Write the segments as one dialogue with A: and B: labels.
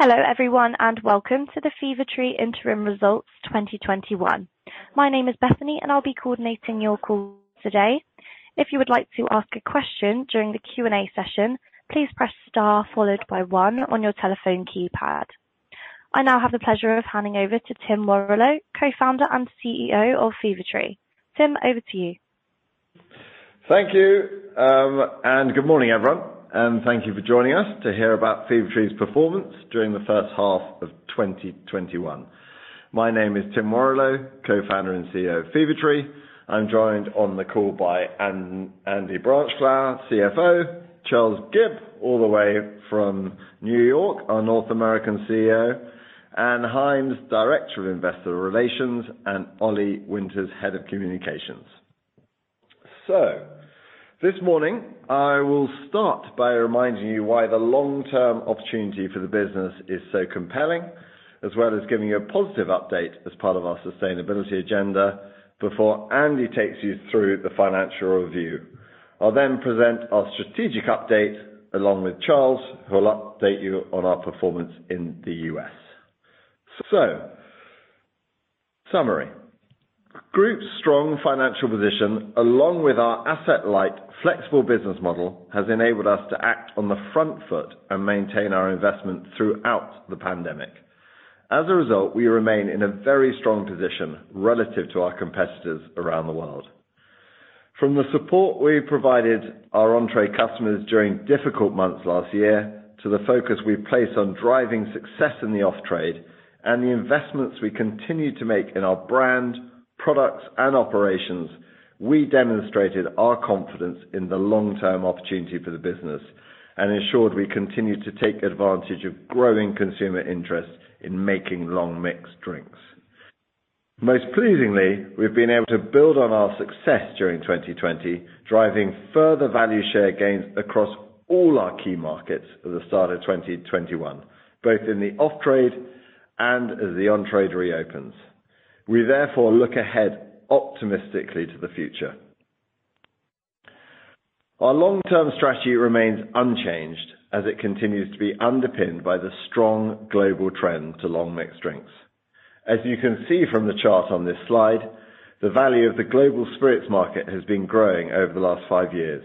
A: Hello, everyone, and welcome to the Fever-Tree Interim results 2021. My name is Bethany, and I'll be coordinating your call today. If you would like to ask a question during the Q&A session, please press star followed by one on your telephone keypad. I now have the pleasure of handing over to Timothy Warrillow, Co-Founder and CEO of Fever-Tree. Tim, over to you.
B: Thank you. Good morning, everyone, and thank you for joining us to hear about Fever-Tree's performance during the first half of 2021. My name is Tim Warrillow, Co-Founder & Chief Executive Officer of Fever-Tree. I'm joined on the call by Andy Branchflower, Chief Financial Officer, Charles Gibb, all the way from New York, our North American CEO, Ann Hynes, Director of Investor Relations, and Ollie Winters, Head of Communications. This morning I will start by reminding you why the long-term opportunity for the business is so compelling, as well as giving you a positive update as part of our sustainability agenda before Andrew takes you through the financial review. I'll present our strategic update along with Charles, who will update you on our performance in the U.S. Summary. Group's strong financial position along with our asset-light, flexible business model, has enabled us to act on the front foot and maintain our investment throughout the pandemic. As a result, we remain in a very strong position relative to our competitors around the world. From the support we provided our on-trade customers during difficult months last year, to the focus we place on driving success in the off-trade, and the investments we continue to make in our brand, products, and operations, we demonstrated our confidence in the long-term opportunity for the business and ensured we continued to take advantage of growing consumer interest in making long mix drinks. Most pleasingly, we've been able to build on our success during 2020, driving further value share gains across all our key markets at the start of 2021, both in the off-trade and as the on-trade reopens. We therefore look ahead optimistically to the future. Our long-term strategy remains unchanged as it continues to be underpinned by the strong global trend to long mix drinks. As you can see from the chart on this slide, the value of the global spirits market has been growing over the last five years,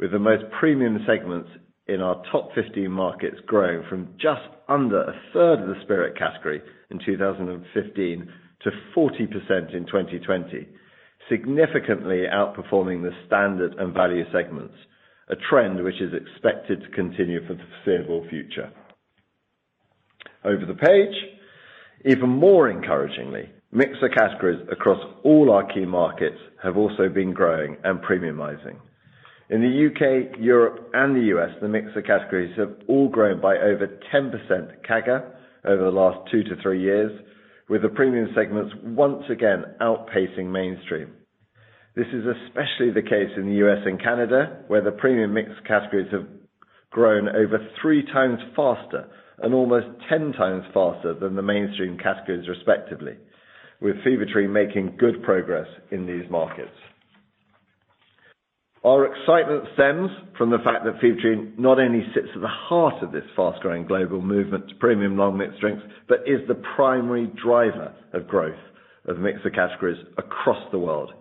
B: with the most premium segments in our top 15 markets growing from just under a third of the spirit category in 2015 to 40% in 2020, significantly outperforming the standard and value segments, a trend which is expected to continue for the foreseeable future. Over the page. Even more encouragingly, mixer categories across all our key markets have also been growing and premiumizing. In the U.K., Europe, and the U.S., the mixer categories have all grown by over 10% CAGR over the last two to three years, with the premium segments once again outpacing mainstream. This is especially the case in the U.S. and Canada, where the premium mix categories have grown over 3x faster and almost 10x faster than the mainstream categories, respectively, with Fever-Tree making good progress in these markets. Our excitement stems from the fact that Fever-Tree not only sits at the heart of this fast-growing global movement to premium long mix drinks, but is the primary driver of growth of mixer categories across the world.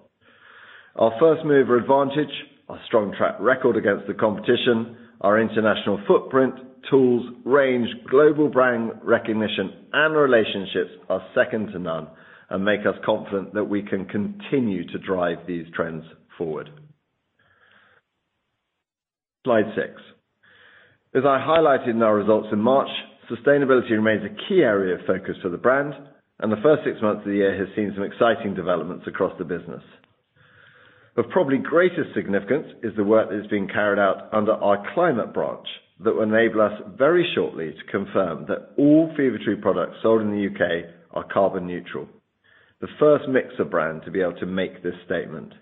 B: Our first-mover advantage, our strong track record against the competition, our international footprint, tools, range, global brand recognition, and relationships are second to none and make us confident that we can continue to drive these trends forward. Slide six. As I highlighted in our results in March, sustainability remains a key area of focus for the brand, and the first six months of the year has seen some exciting developments across the business. Probably greatest significance is the work that is being carried out under our climate branch that will enable us very shortly to confirm that all Fever-Tree products sold in the U.K. are carbon neutral, the first mixer brand to be able to make this statement,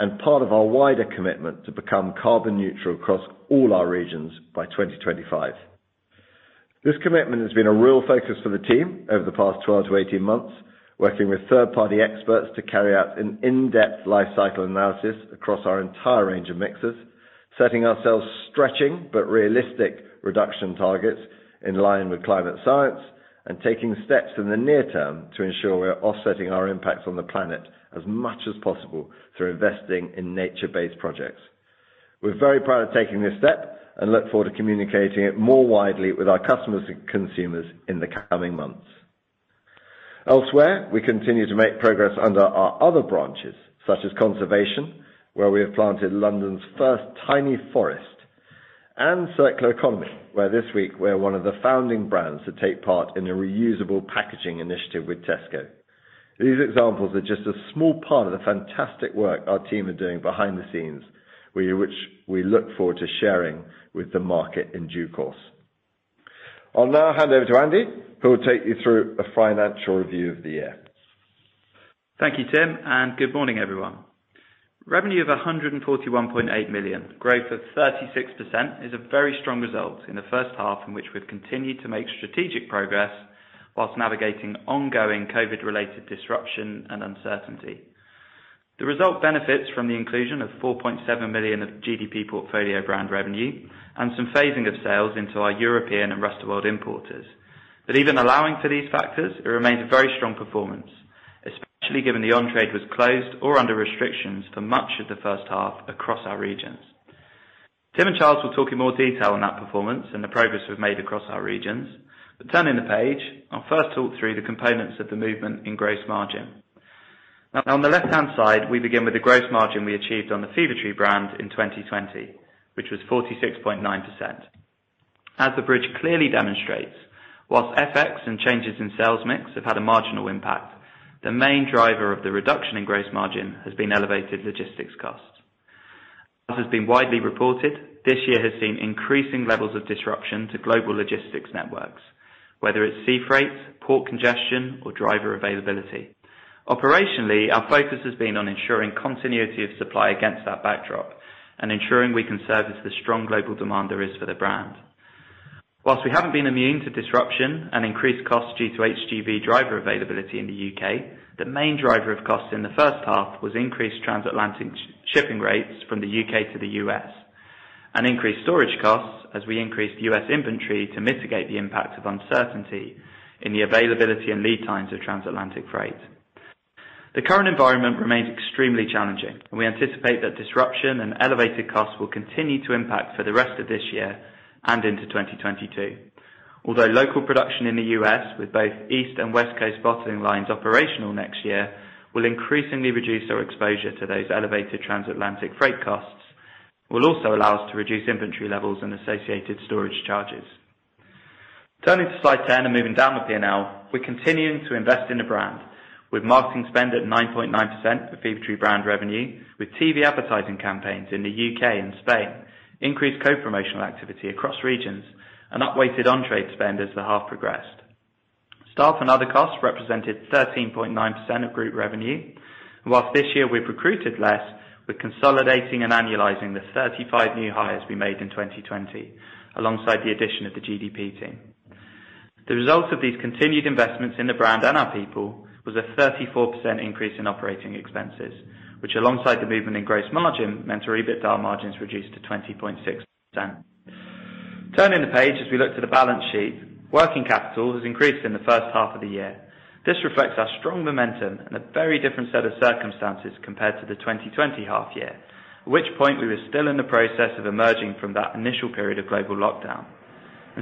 B: and part of our wider commitment to become carbon neutral across all our regions by 2025. This commitment has been a real focus for the team over the past 12 months-18 months, working with third-party experts to carry out an in-depth life cycle analysis across our entire range of mixers, setting ourselves stretching but realistic reduction targets in line with climate science and taking steps in the near term to ensure we are offsetting our impact on the planet as much as possible through investing in nature-based projects. We are very proud of taking this step and look forward to communicating it more widely with our customers and consumers in the coming months. Elsewhere, we continue to make progress under our other branches, such as conservation, where we have planted London's first tiny forest, and circular economy, where this week we are one of the founding brands to take part in a reusable packaging initiative with Tesco. These examples are just a small part of the fantastic work our team are doing behind the scenes, which we look forward to sharing with the market in due course. I will now hand over to Andy, who will take you through a financial review of the year.
C: Thank you, Tim. Good morning, everyone. Revenue of 141.8 million, growth of 36% is a very strong result in the first half in which we've continued to make strategic progress whilst navigating ongoing COVID-related disruption and uncertainty. The result benefits from the inclusion of 4.7 million of portfolio brand revenue and some phasing of sales into our European and rest of world importers. Even allowing for these factors, it remains a very strong performance, especially given the on-trade was closed or under restrictions for much of the first half across our regions. Tim and Charles will talk in more detail on that performance and the progress we've made across our regions. Turning the page, I'll first talk through the components of the movement in gross margin. On the left-hand side, we begin with the gross margin we achieved on the Fever-Tree brand in 2020, which was 46.9%. As the bridge clearly demonstrates, whilst FX and changes in sales mix have had a marginal impact, the main driver of the reduction in gross margin has been elevated logistics costs. As has been widely reported, this year has seen increasing levels of disruption to global logistics networks, whether it's sea freight, port congestion, or driver availability. Operationally, our focus has been on ensuring continuity of supply against that backdrop and ensuring we can service the strong global demand there is for the brand. Whilst we haven't been immune to disruption and increased costs due to HGV driver availability in the U.K., the main driver of costs in the first half was increased transatlantic shipping rates from the U.K. to the U.S., and increased storage costs as we increased U.S. inventory to mitigate the impact of uncertainty in the availability and lead times of transatlantic freight. The current environment remains extremely challenging, and we anticipate that disruption and elevated costs will continue to impact for the rest of this year and into 2022. Although local production in the U.S., with both East and West Coast bottling lines operational next year, will increasingly reduce our exposure to those elevated transatlantic freight costs, will also allow us to reduce inventory levels and associated storage charges. Turning to Slide 10 and moving down the P&L, we're continuing to invest in the brand with marketing spend at 9.9% of Fever-Tree brand revenue, with TV advertising campaigns in the U.K. and Spain, increased co-promotional activity across regions, and up-weighted on-trade spend as the half progressed. Staff and other costs represented 13.9% of group revenue. Whilst this year we've recruited less, we're consolidating and annualizing the 35 new hires we made in 2020, alongside the addition of the GDP team. The results of these continued investments in the brand and our people was a 34% increase in operating expenses, which alongside the movement in gross margin, meant our EBITDA margins reduced to 20.6%. Turning the page as we look to the balance sheet, working capital has increased in the first half of the year. This reflects our strong momentum and a very different set of circumstances compared to the 2020 half year, at which point we were still in the process of emerging from that initial period of global lockdown.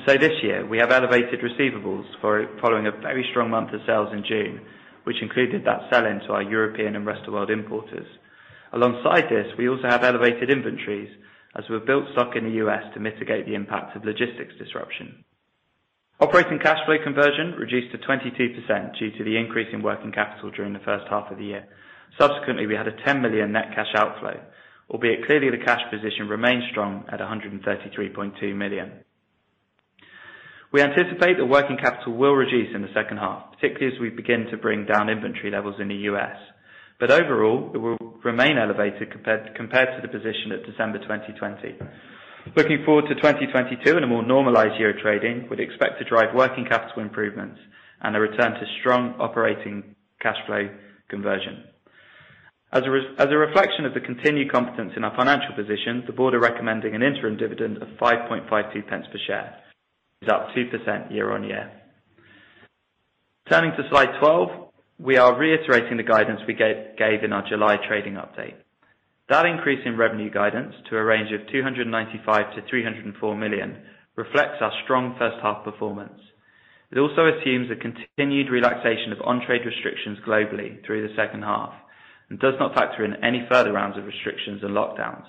C: This year, we have elevated receivables following a very strong month of sales in June, which included that sell-in to our European and rest of world importers. Alongside this, we also have elevated inventories as we've built stock in the U.S. to mitigate the impact of logistics disruption. Operating cash flow conversion reduced to 22% due to the increase in working capital during the first half of the year. Subsequently, we had a 10 million net cash outflow, albeit clearly the cash position remains strong at 133.2 million. Overall, it will remain elevated compared to the position at December 2020. Looking forward to 2022 and a more normalized year of trading, we'd expect to drive working capital improvements and a return to strong operating cash flow conversion. As a reflection of the continued competence in our financial position, the board are recommending an interim dividend of 0.0552 per share. It's up 2% year-on-year. Turning to Slide 12, we are reiterating the guidance we gave in our July trading update. That increase in revenue guidance to a range of 295 million-304 million reflects our strong first half performance. It also assumes a continued relaxation of on-trade restrictions globally through the second half and does not factor in any further rounds of restrictions and lockdowns.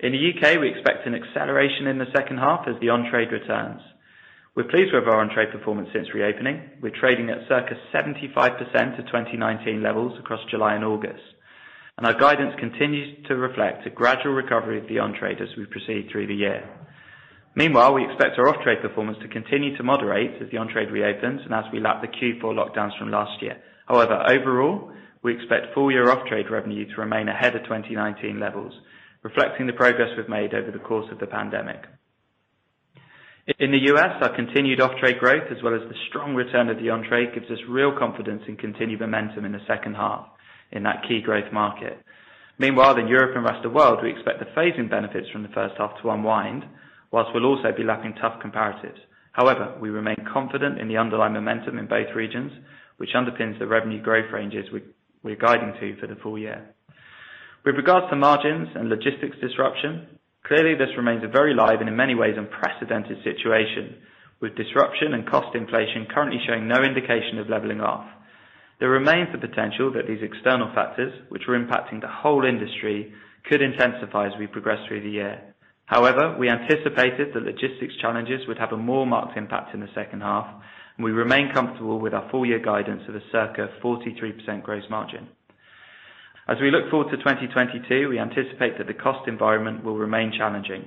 C: In the U.K., we expect an acceleration in the second half as the on-trade returns. We're pleased with our on-trade performance since reopening. We're trading at circa 75% of 2019 levels across July and August, and our guidance continues to reflect a gradual recovery of the on-trade as we proceed through the year. Meanwhile, we expect our off-trade performance to continue to moderate as the on-trade reopens and as we lap the Q4 lockdowns from last year. However, overall, we expect full year off-trade revenue to remain ahead of 2019 levels, reflecting the progress we've made over the course of the pandemic. In the U.S., our continued off-trade growth, as well as the strong return of the on-trade, gives us real confidence and continued momentum in the second half in that key growth market. Meanwhile, in Europe and rest of world, we expect the phasing benefits from the first half to unwind, while we'll also be lapping tough comparatives. However, we remain confident in the underlying momentum in both regions, which underpins the revenue growth ranges we're guiding to for the full year. With regards to margins and logistics disruption, clearly this remains a very live and in many ways unprecedented situation, with disruption and cost inflation currently showing no indication of leveling off. There remains the potential that these external factors, which are impacting the whole industry, could intensify as we progress through the year. We anticipated that logistics challenges would have a more marked impact in the second half, and we remain comfortable with our full year guidance of a circa 43% gross margin. We look forward to 2022, we anticipate that the cost environment will remain challenging.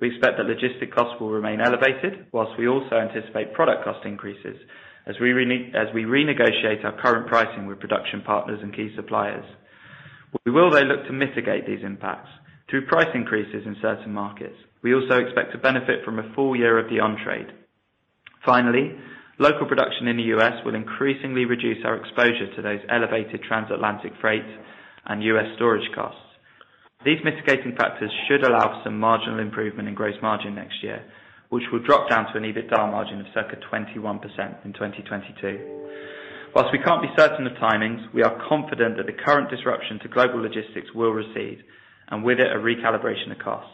C: We expect that logistic costs will remain elevated, while we also anticipate product cost increases as we renegotiate our current pricing with production partners and key suppliers. We will though look to mitigate these impacts through price increases in certain markets. We also expect to benefit from a full year of the on-trade. Local production in the U.S. will increasingly reduce our exposure to those elevated transatlantic freight and U.S. storage costs. These mitigating factors should allow for some marginal improvement in gross margin next year, which will drop down to an EBITDA margin of circa 21% in 2022. Whilst we can't be certain of timings, we are confident that the current disruption to global logistics will recede, and with it, a recalibration of costs.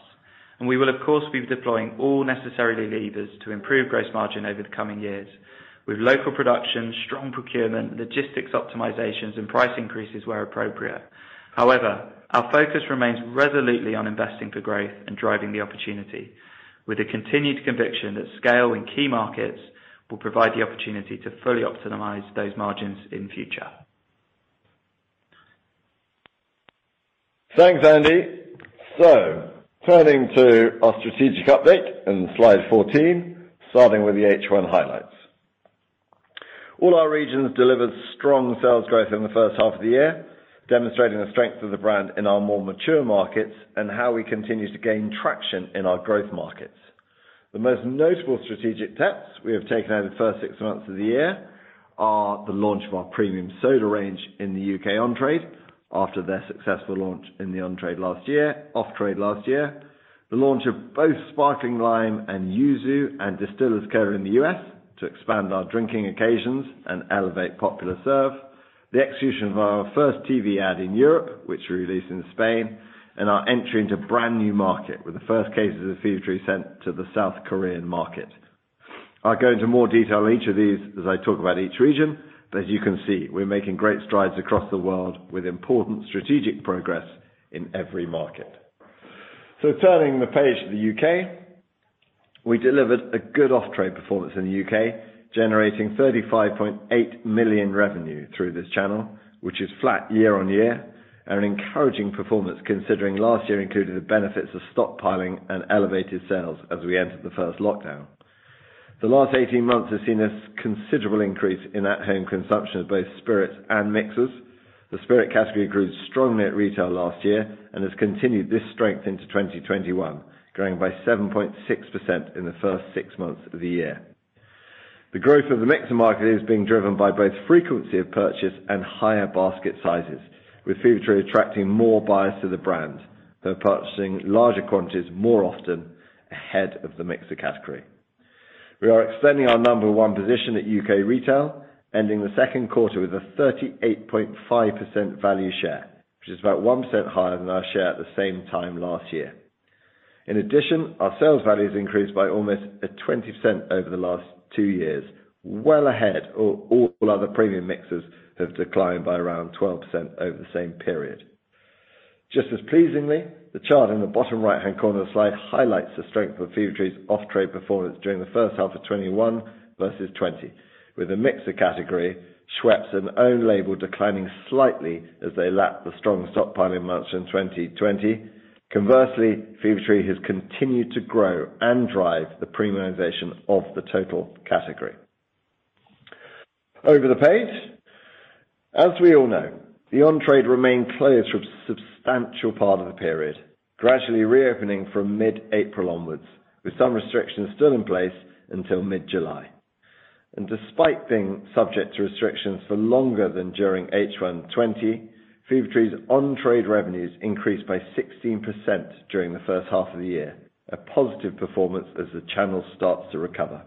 C: We will, of course, be deploying all necessary levers to improve gross margin over the coming years. With local production, strong procurement, logistics optimizations, and price increases where appropriate. Our focus remains resolutely on investing for growth and driving the opportunity with the continued conviction that scale in key markets will provide the opportunity to fully optimize those margins in future.
B: Thanks, Andy. Turning to our strategic update in Slide 14, starting with the H1 highlights. All our regions delivered strong sales growth in the first half of the year, demonstrating the strength of the brand in our more mature markets and how we continue to gain traction in our growth markets. The most notable strategic steps we have taken over the first six months of the year are the launch of our premium soda range in the U.K. on-trade, after their successful launch in the off-trade last year, the launch of both Sparkling Lime & Yuzu, and Distillers Cola in the U.S. to expand our drinking occasions and elevate popular serve, the execution of our first TV ad in Europe, which we released in Spain, and our entry into a brand new market with the first cases of Fever-Tree sent to the South Korean market. I'll go into more detail on each of these as I talk about each region. As you can see, we're making great strides across the world with important strategic progress in every market. Turning the page to the U.K. We delivered a good off-trade performance in the U.K., generating 35.8 million revenue through this channel, which is flat year-on-year, and an encouraging performance considering last year included the benefits of stockpiling and elevated sales as we entered the first lockdown. The last 18 months has seen a considerable increase in at-home consumption of both spirits and mixers. The spirit category grew strongly at retail last year and has continued this strength into 2021, growing by 7.6% in the first six months of the year. The growth of the mixer market is being driven by both frequency of purchase and higher basket sizes, with Fever-Tree attracting more buyers to the brand, who are purchasing larger quantities more often ahead of the mixer category. We are extending our number one position at U.K. retail, ending the second quarter with a 38.5% value share, which is about 1% higher than our share at the same time last year. Our sales value has increased by almost 20% over the last two years, well ahead of all other premium mixers, have declined by around 12% over the same period. Just as pleasingly, the chart in the bottom right-hand corner of the slide highlights the strength of Fever-Tree's off-trade performance during the first half of 2021 versus 2020. With the mixer category, Schweppes and own label declining slightly as they lap the strong stockpiling months in 2020. Conversely, Fever-Tree has continued to grow and drive the premiumization of the total category. Over the page. As we all know, the on-trade remained closed for a substantial part of the period, gradually reopening from mid-April onwards, with some restrictions still in place until mid-July. Despite being subject to restrictions for longer than during H1 2020, Fever-Tree's on-trade revenues increased by 16% during the first half of the year, a positive performance as the channel starts to recover.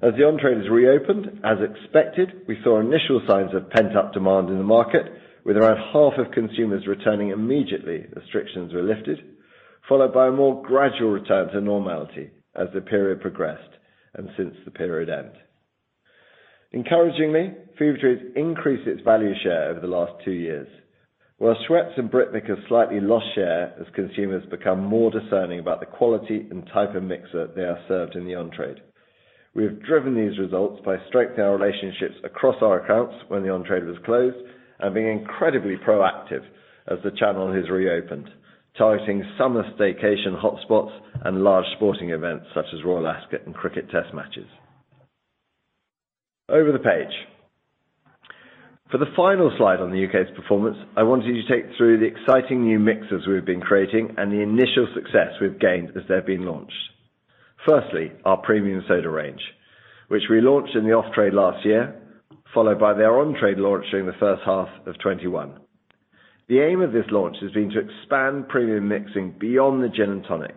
B: As the on-trade has reopened, as expected, we saw initial signs of pent-up demand in the market, with around half of consumers returning immediately as restrictions were lifted, followed by a more gradual return to normality as the period progressed and since the period end. Encouragingly, Fever-Tree increased its value share over the last two years. While Schweppes and Britvic have slightly lost share as consumers become more discerning about the quality and type of mixer they are served in the on-trade. We have driven these results by strengthening our relationships across our accounts when the on-trade was closed and being incredibly proactive as the channel has reopened, targeting summer staycation hotspots and large sporting events such as Royal Ascot and Cricket Test matches. Over the page. For the final slide on the U.K.'s performance, I wanted you to take through the exciting new mixes we've been creating and the initial success we've gained as they've been launched. Firstly, our premium soda range, which we launched in the off-trade last year, followed by their on-trade launch during the first half of 2021. The aim of this launch has been to expand premium mixing beyond the gin and tonic,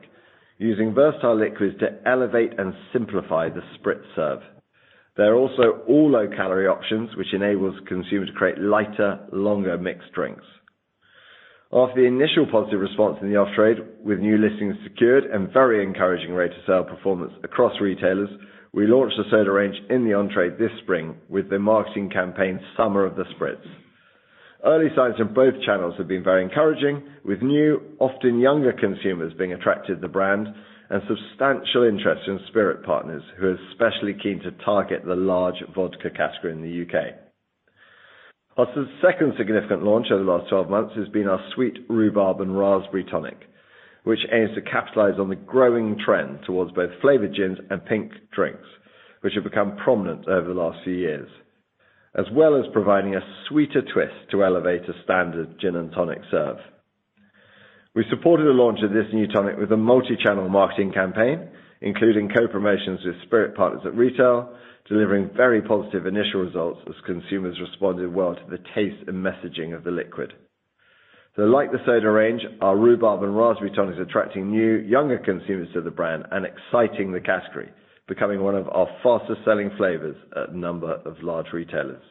B: using versatile liquids to elevate and simplify the spritz serve. They're also all low-calorie options, which enables consumers to create lighter, longer mixed drinks. After the initial positive response in the off-trade, with new listings secured and very encouraging rate of sale performance across retailers, we launched the soda range in the on-trade this spring with the marketing campaign, Summer of the Spritz. Early signs in both channels have been very encouraging, with new, often younger consumers being attracted to the brand and substantial interest in spirit partners who are especially keen to target the large vodka category in the U.K. The second significant launch over the last 12 months has been our Sweet Rhubarb & Raspberry Tonic, which aims to capitalize on the growing trend towards both flavored gins and pink drinks, which have become prominent over the last few years, as well as providing a sweeter twist to elevate a standard gin and tonic serve. We supported the launch of this new tonic with a multi-channel marketing campaign, including co-promotions with spirit partners at retail, delivering very positive initial results as consumers responded well to the taste and messaging of the liquid. Like the soda range, our Rhubarb & Raspberry Tonic is attracting new, younger consumers to the brand and exciting the category, becoming one of our fastest-selling flavors at a number of large retailers.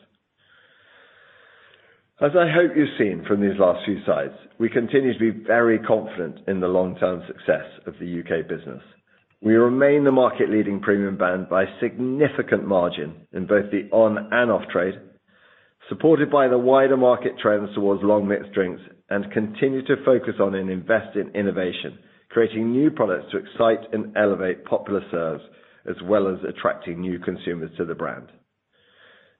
B: As I hope you've seen from these last few slides, we continue to be very confident in the long-term success of the U.K. business. We remain the market-leading premium brand by a significant margin in both the on-trade and off-trade, supported by the wider market trends towards long mix drinks, and continue to focus on and invest in innovation, creating new products to excite and elevate popular serves, as well as attracting new consumers to the brand.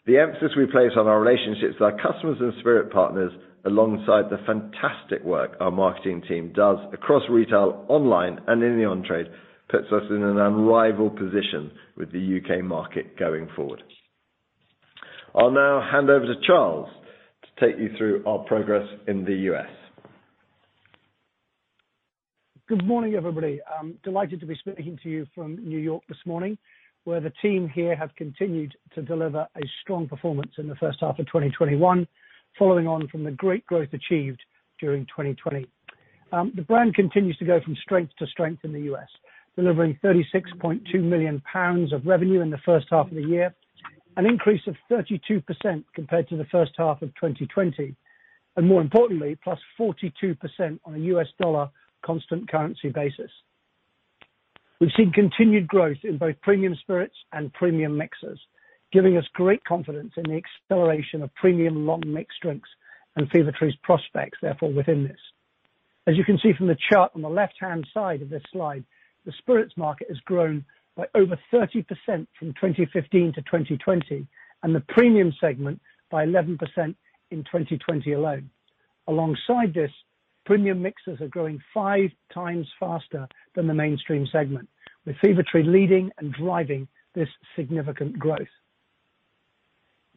B: The emphasis we place on our relationships with our customers and spirit partners, alongside the fantastic work our marketing team does across retail, online, and in the on-trade, puts us in an unrivaled position with the U.K. market going forward. I'll now hand over to Charles to take you through our progress in the U.S.
D: Good morning, everybody. I'm delighted to be speaking to you from New York this morning, where the team here have continued to deliver a strong performance in the first half of 2021, following on from the great growth achieved during 2020. The brand continues to go from strength to strength in the U.S., delivering 36.2 million pounds of revenue in the first half of the year, an increase of 32% compared to the first half of 2020, and more importantly, +42% on a U.S. dollar constant currency basis. We've seen continued growth in both premium spirits and premium mixers, giving us great confidence in the acceleration of premium long mix drinks and Fever-Tree's prospects, therefore, within this. As you can see from the chart on the left-hand side of this slide, the spirits market has grown by over 30% from 2015-2020, and the premium segment by 11% in 2020 alone. Alongside this, premium mixers are growing 5x faster than the mainstream segment, with Fever-Tree leading and driving this significant growth.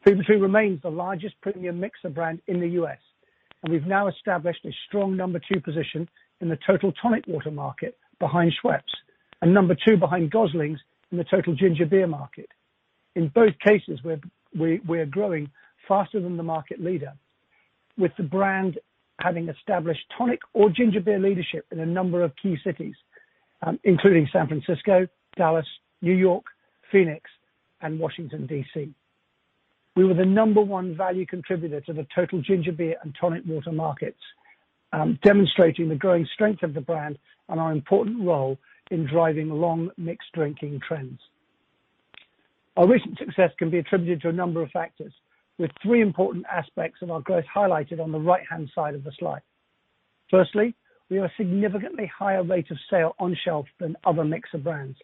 D: Fever-Tree remains the largest premium mixer brand in the U.S., and we've now established a strong number two position in the total tonic water market behind Schweppes, and number two behind Goslings in the total ginger beer market. In both cases, we are growing faster than the market leader, with the brand having established tonic or ginger beer leadership in a number of key cities, including San Francisco, Dallas, New York, Phoenix, and Washington, D.C. We were the number one value contributor to the total ginger beer and tonic water markets, demonstrating the growing strength of the brand and our important role in driving long mixed drinking trends. Our recent success can be attributed to a number of factors, with three important aspects of our growth highlighted on the right-hand side of the slide. Firstly, we have a significantly higher rate of sale on shelf than other mixer brands,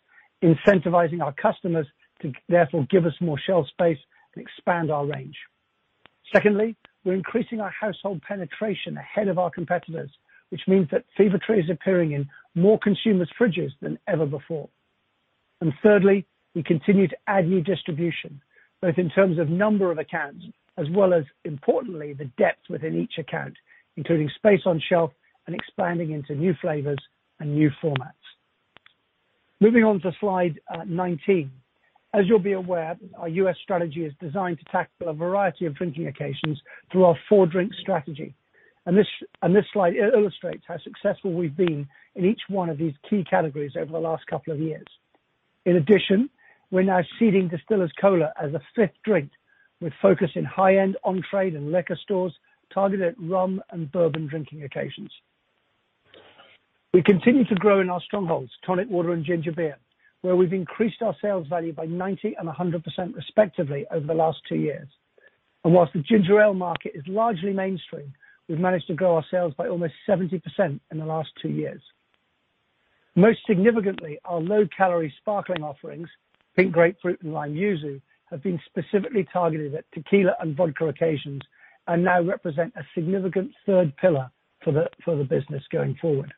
D: incentivizing our customers to, therefore, give us more shelf space and expand our range. Secondly, we're increasing our household penetration ahead of our competitors, which means that Fever-Tree is appearing in more consumers' fridges than ever before. Thirdly, we continue to add new distribution, both in terms of number of accounts as well as, importantly, the depth within each account, including space on shelf and expanding into new flavors and new formats. Moving on to Slide 19. As you'll be aware, our U.S. strategy is designed to tackle a variety of drinking occasions through our four drink strategy. This slide illustrates how successful we've been in each one of these key categories over the last couple of years. In addition, we're now seeding Distillers Cola as a fifth drink, with focus in high-end on-trade and liquor stores targeted at rum and bourbon drinking occasions. We continue to grow in our strongholds, tonic water and ginger beer, where we've increased our sales value by 90% and 100% respectively over the last two years. Whilst the ginger ale market is largely mainstream, we've managed to grow our sales by almost 70% in the last two years. Most significantly, our low-calorie sparkling offerings, Pink Grapefruit & Lime Yuzu, have been specifically targeted at tequila and vodka occasions and now represent a significant third pillar for the business going forward.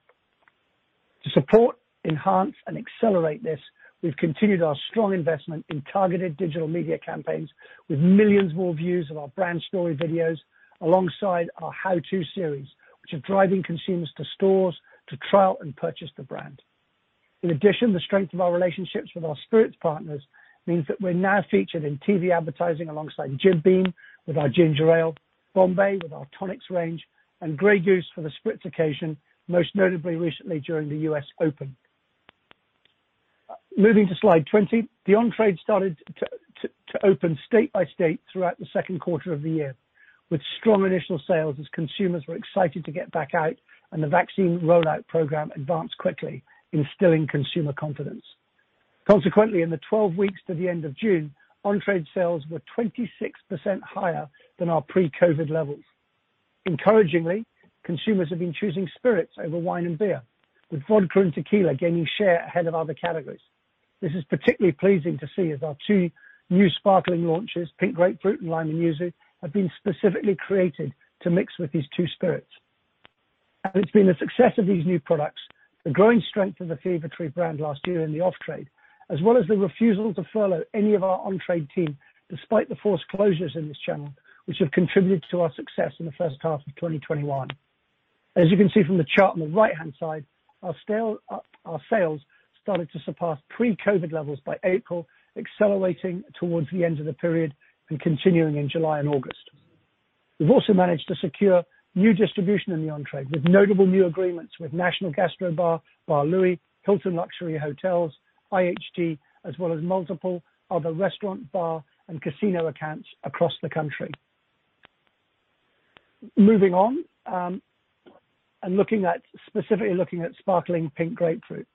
D: To support, enhance, and accelerate this, we've continued our strong investment in targeted digital media campaigns with millions more views of our brand story videos alongside our how-to series, which are driving consumers to stores to trial and purchase the brand. In addition, the strength of our relationships with our spirits partners means that we're now featured in TV advertising alongside Jim Beam with our ginger ale, Bombay with our tonics range, and Grey Goose for the spritz occasion, most notably recently during the US Open. Moving to Slide 20. The on-trade started to open state by state throughout the second quarter of the year with strong initial sales as consumers were excited to get back out and the vaccine rollout program advanced quickly, instilling consumer confidence. Consequently, in the 12 weeks to the end of June, on-trade sales were 26% higher than our pre-COVID levels. Encouragingly, consumers have been choosing spirits over wine and beer, with vodka and tequila gaining share ahead of other categories. This is particularly pleasing to see as our two new sparkling launches, Pink Grapefruit & Lime Yuzu, have been specifically created to mix with these two spirits. It's been the success of these new products. The growing strength of the Fever-Tree brand last year in the off-trade, as well as the refusal to furlough any of our on-trade team, despite the forced closures in this channel, which have contributed to our success in the first half of 2021. As you can see from the chart on the right-hand side, our sales started to surpass pre-COVID levels by April, accelerating towards the end of the period and continuing in July and August. We've also managed to secure new distribution in the on-trade, with notable new agreements with national gastrobar Bar Louie, Hilton Luxury Hotels, IHG, as well as multiple other restaurant, bar, and casino accounts across the country. Moving on, specifically looking at Sparkling Pink Grapefruit.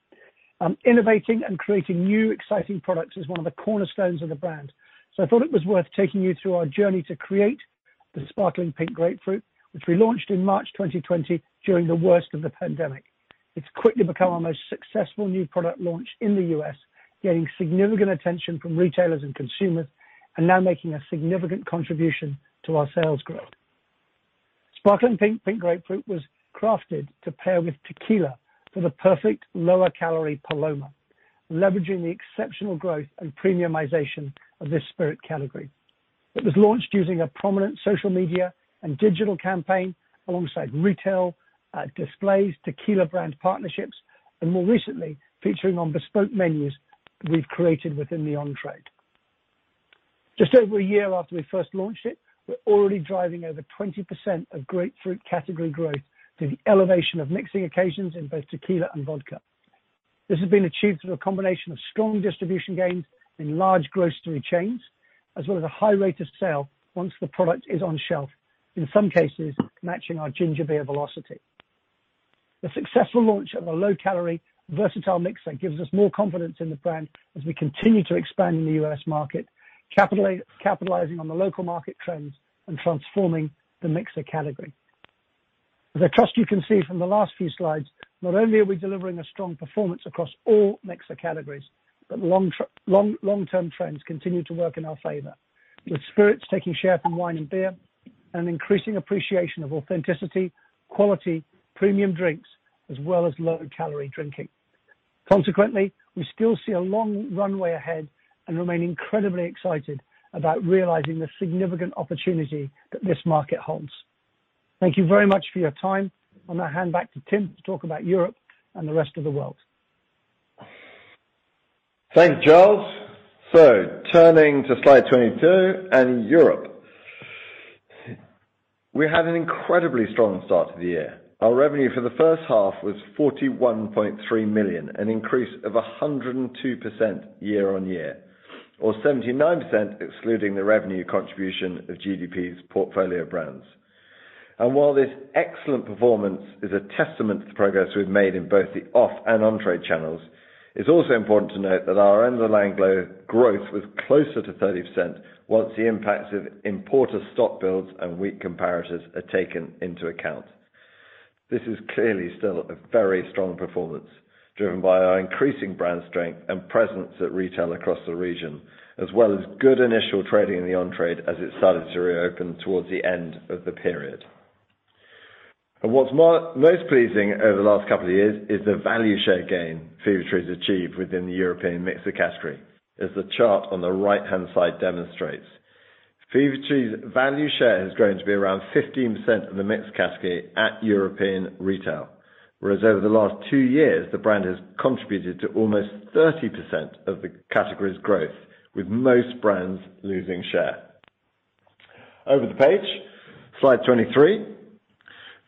D: Innovating and creating new exciting products is one of the cornerstones of the brand. I thought it was worth taking you through our journey to create the Sparkling Pink Grapefruit, which we launched in March 2020 during the worst of the pandemic. It's quickly become our most successful new product launch in the U.S., gaining significant attention from retailers and consumers, and now making a significant contribution to our sales growth. Sparkling Pink Grapefruit was crafted to pair with tequila for the perfect lower-calorie Paloma, leveraging the exceptional growth and premiumization of this spirit category. It was launched using a prominent social media and digital campaign alongside retail, displays, tequila brand partnerships, and more recently, featuring on bespoke menus we've created within the on-trade. Just over 1 year after we first launched it, we're already driving over 20% of grapefruit category growth through the elevation of mixing occasions in both tequila and vodka. This has been achieved through a combination of strong distribution gains in large grocery chains, as well as a high rate of sale once the product is on shelf, in some cases, matching our ginger beer velocity. The successful launch of a low-calorie, versatile mixer gives us more confidence in the brand as we continue to expand in the U.S. market, capitalizing on the local market trends and transforming the mixer category. As I trust you can see from the last few slides, not only are we delivering a strong performance across all mixer categories, but long-term trends continue to work in our favor, with spirits taking share from wine and beer, and increasing appreciation of authenticity, quality, premium drinks, as well as low-calorie drinking. Consequently, we still see a long runway ahead and remain incredibly excited about realizing the significant opportunity that this market holds. Thank you very much for your time. I'm going to hand back to Timothy Warrillow to talk about Europe and the rest of the world.
B: Thanks, Charles. Turning to Slide 22 and Europe. We had an incredibly strong start to the year. Our revenue for the first half was 41.3 million, an increase of 102% year-on-year, or 79% excluding the revenue contribution of GDP's portfolio brands. While this excellent performance is a testament to the progress we've made in both the off-trade and on-trade channels, it's also important to note that our underlying growth was closer to 30% once the impacts of importer stock builds and weak comparators are taken into account. This is clearly still a very strong performance, driven by our increasing brand strength and presence at retail across the region, as well as good initial trading in the on-trade as it started to reopen towards the end of the period. What's most pleasing over the last couple of years is the value share gain Fever-Tree's achieved within the European mixer category, as the chart on the right-hand side demonstrates. Fever-Tree's value share has grown to be around 15% of the mixed category at European retail. Whereas over the last two years, the brand has contributed to almost 30% of the category's growth, with most brands losing share. Over the page, Slide 23.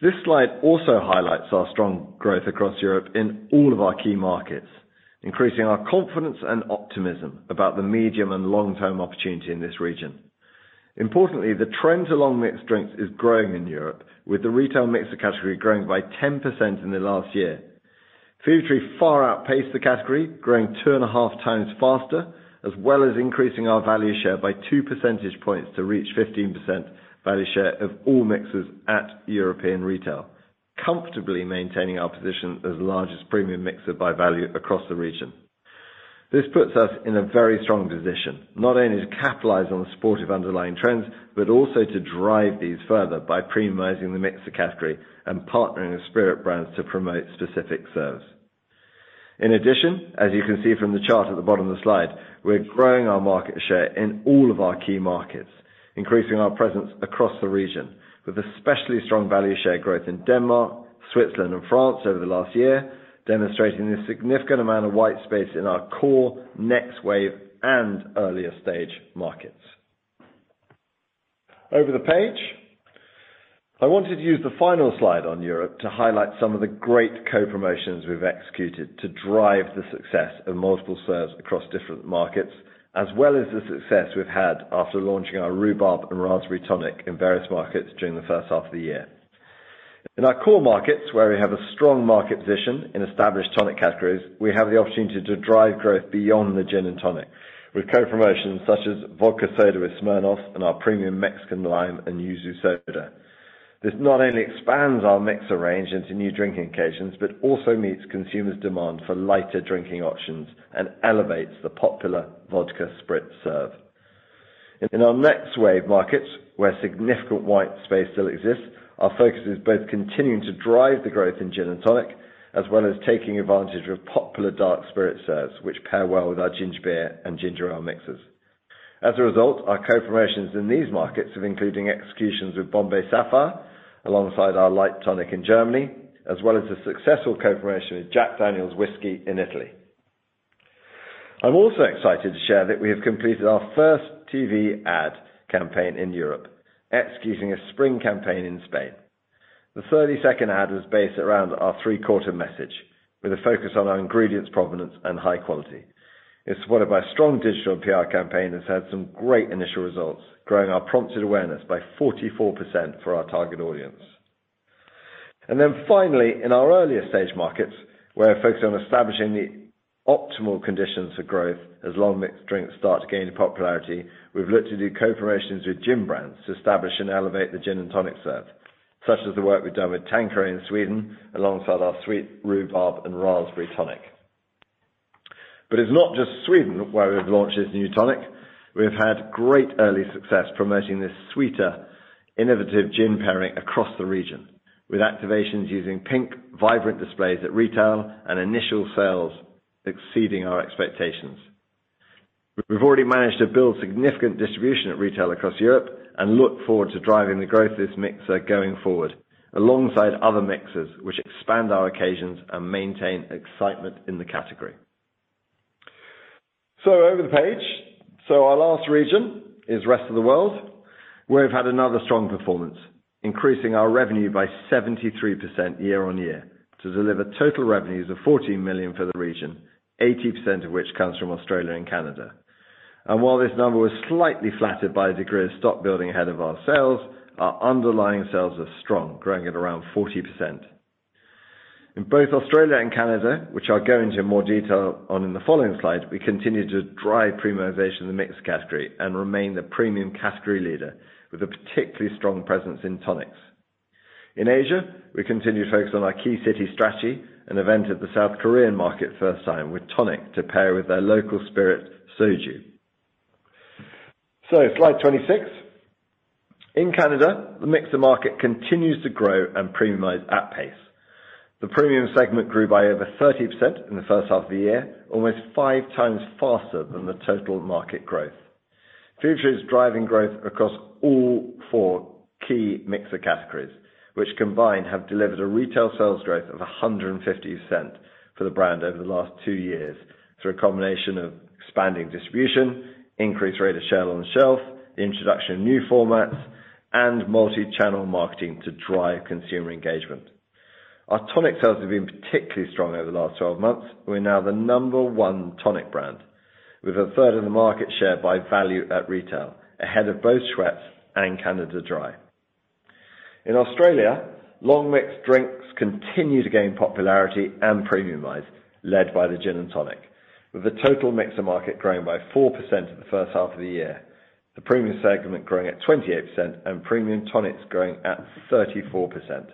B: This slide also highlights our strong growth across Europe in all of our key markets, increasing our confidence and optimism about the medium and long-term opportunity in this region. Importantly, the trend to long mix drinks is growing in Europe, with the retail mixer category growing by 10% in the last year. Fever-Tree far outpaced the category, growing 2.5x faster, as well as increasing our value share by 2 percentage points to reach 15% value share of all mixers at European retail. Comfortably maintaining our position as the largest premium mixer by value across the region. This puts us in a very strong position, not only to capitalize on the supportive underlying trends, but also to drive these further by premiumizing the mixer category and partnering with spirit brands to promote specific serves. In addition, as you can see from the chart at the bottom of the slide, we're growing our market share in all of our key markets, increasing our presence across the region with especially strong value share growth in Denmark, Switzerland, and France over the last year, demonstrating a significant amount of white space in our core next wave and earlier stage markets. Over the page. I wanted to use the final slide on Europe to highlight some of the great co-promotions we've executed to drive the success of multiple serves across different markets, as well as the success we've had after launching our Rhubarb & Raspberry Tonic in various markets during the first half of the year. In our core markets, where we have a strong market position in established tonic categories, we have the opportunity to drive growth beyond the Gin and Tonic with co-promotions such as vodka soda with Smirnoff and our premium Mexican Lime Soda. This not only expands our mixer range into new drinking occasions, but also meets consumers' demand for lighter drinking options and elevates the popular vodka spritz serve. In our next wave markets where significant white space still exists, our focus is both continuing to drive the growth in gin and tonic, as well as taking advantage of popular dark spirit serves, which pair well with our ginger beer and ginger ale mixers. As a result, our co-promotions in these markets have including executions with Bombay Sapphire alongside our light tonic in Germany, as well as the successful co-promotion with Jack Daniel's whiskey in Italy. I'm also excited to share that we have completed our first TV ad campaign in Europe, executing a spring campaign in Spain. The 30-second ad is based around our three-quarters message with a focus on our ingredients' provenance and high quality. It's supported by a strong digital PR campaign that's had some great initial results, growing our prompted awareness by 44% for our target audience. Finally, in our earlier stage markets, we're focused on establishing the optimal conditions for growth as long mixed drinks start to gain popularity. We've looked to do co-promotions with gin brands to establish and elevate the gin and tonic serve, such as the work we've done with Tanqueray in Sweden alongside our Sweet Rhubarb & Raspberry Tonic. It's not just Sweden where we've launched this new tonic. We've had great early success promoting this sweeter, innovative gin pairing across the region, with activations using pink vibrant displays at retail and initial sales exceeding our expectations. We've already managed to build significant distribution at retail across Europe and look forward to driving the growth of this mixer going forward, alongside other mixers which expand our occasions and maintain excitement in the category. Over the page. Our last region is rest of the world, where we've had another strong performance, increasing our revenue by 73% year-on-year to deliver total revenues of 14 million for the region, 80% of which comes from Australia and Canada. While this number was slightly flattered by a degree of stock building ahead of our sales, our underlying sales are strong, growing at around 40%. In both Australia and Canada, which I'll go into more detail on in the following slide, we continue to drive premiumization in the mixed category and remain the premium category leader with a particularly strong presence in tonics. In Asia, we continue to focus on our key city strategy and evented the South Korean market first time with tonic to pair with their local spirit, Soju. Slide 26. In Canada, the mixer market continues to grow and premiumize at pace. The premium segment grew by over 30% in the first half of the year, almost 5x faster than the total market growth. Fever-Tree is driving growth across all four key mixer categories, which combined have delivered a retail sales growth of 150% for the brand over the last two years through a combination of expanding distribution, increased rate of sale on the shelf, the introduction of new formats, and multi-channel marketing to drive consumer engagement. Our tonic sales have been particularly strong over the last 12 months. We're now the number one tonic brand with 1/3 of the market share by value at retail, ahead of both Schweppes and Canada Dry. In Australia, long mixed drinks continue to gain popularity and premiumize, led by the gin and tonic. With the total mixer market growing by 4% in the first half of the year, the premium segment growing at 28% and premium tonics growing at 34%.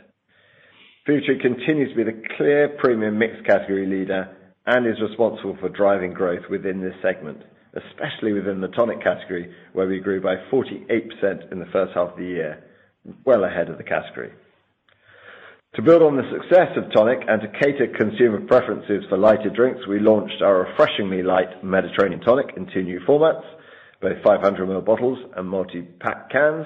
B: Fever-Tree continues to be the clear premium mix category leader and is responsible for driving growth within this segment, especially within the tonic category, where we grew by 48% in the first half of the year, well ahead of the category. To build on the success of tonic and to cater consumer preferences for lighter drinks, we launched our Refreshingly Light Mediterranean Tonic in two new formats, both 500 ml bottles and multi-pack cans,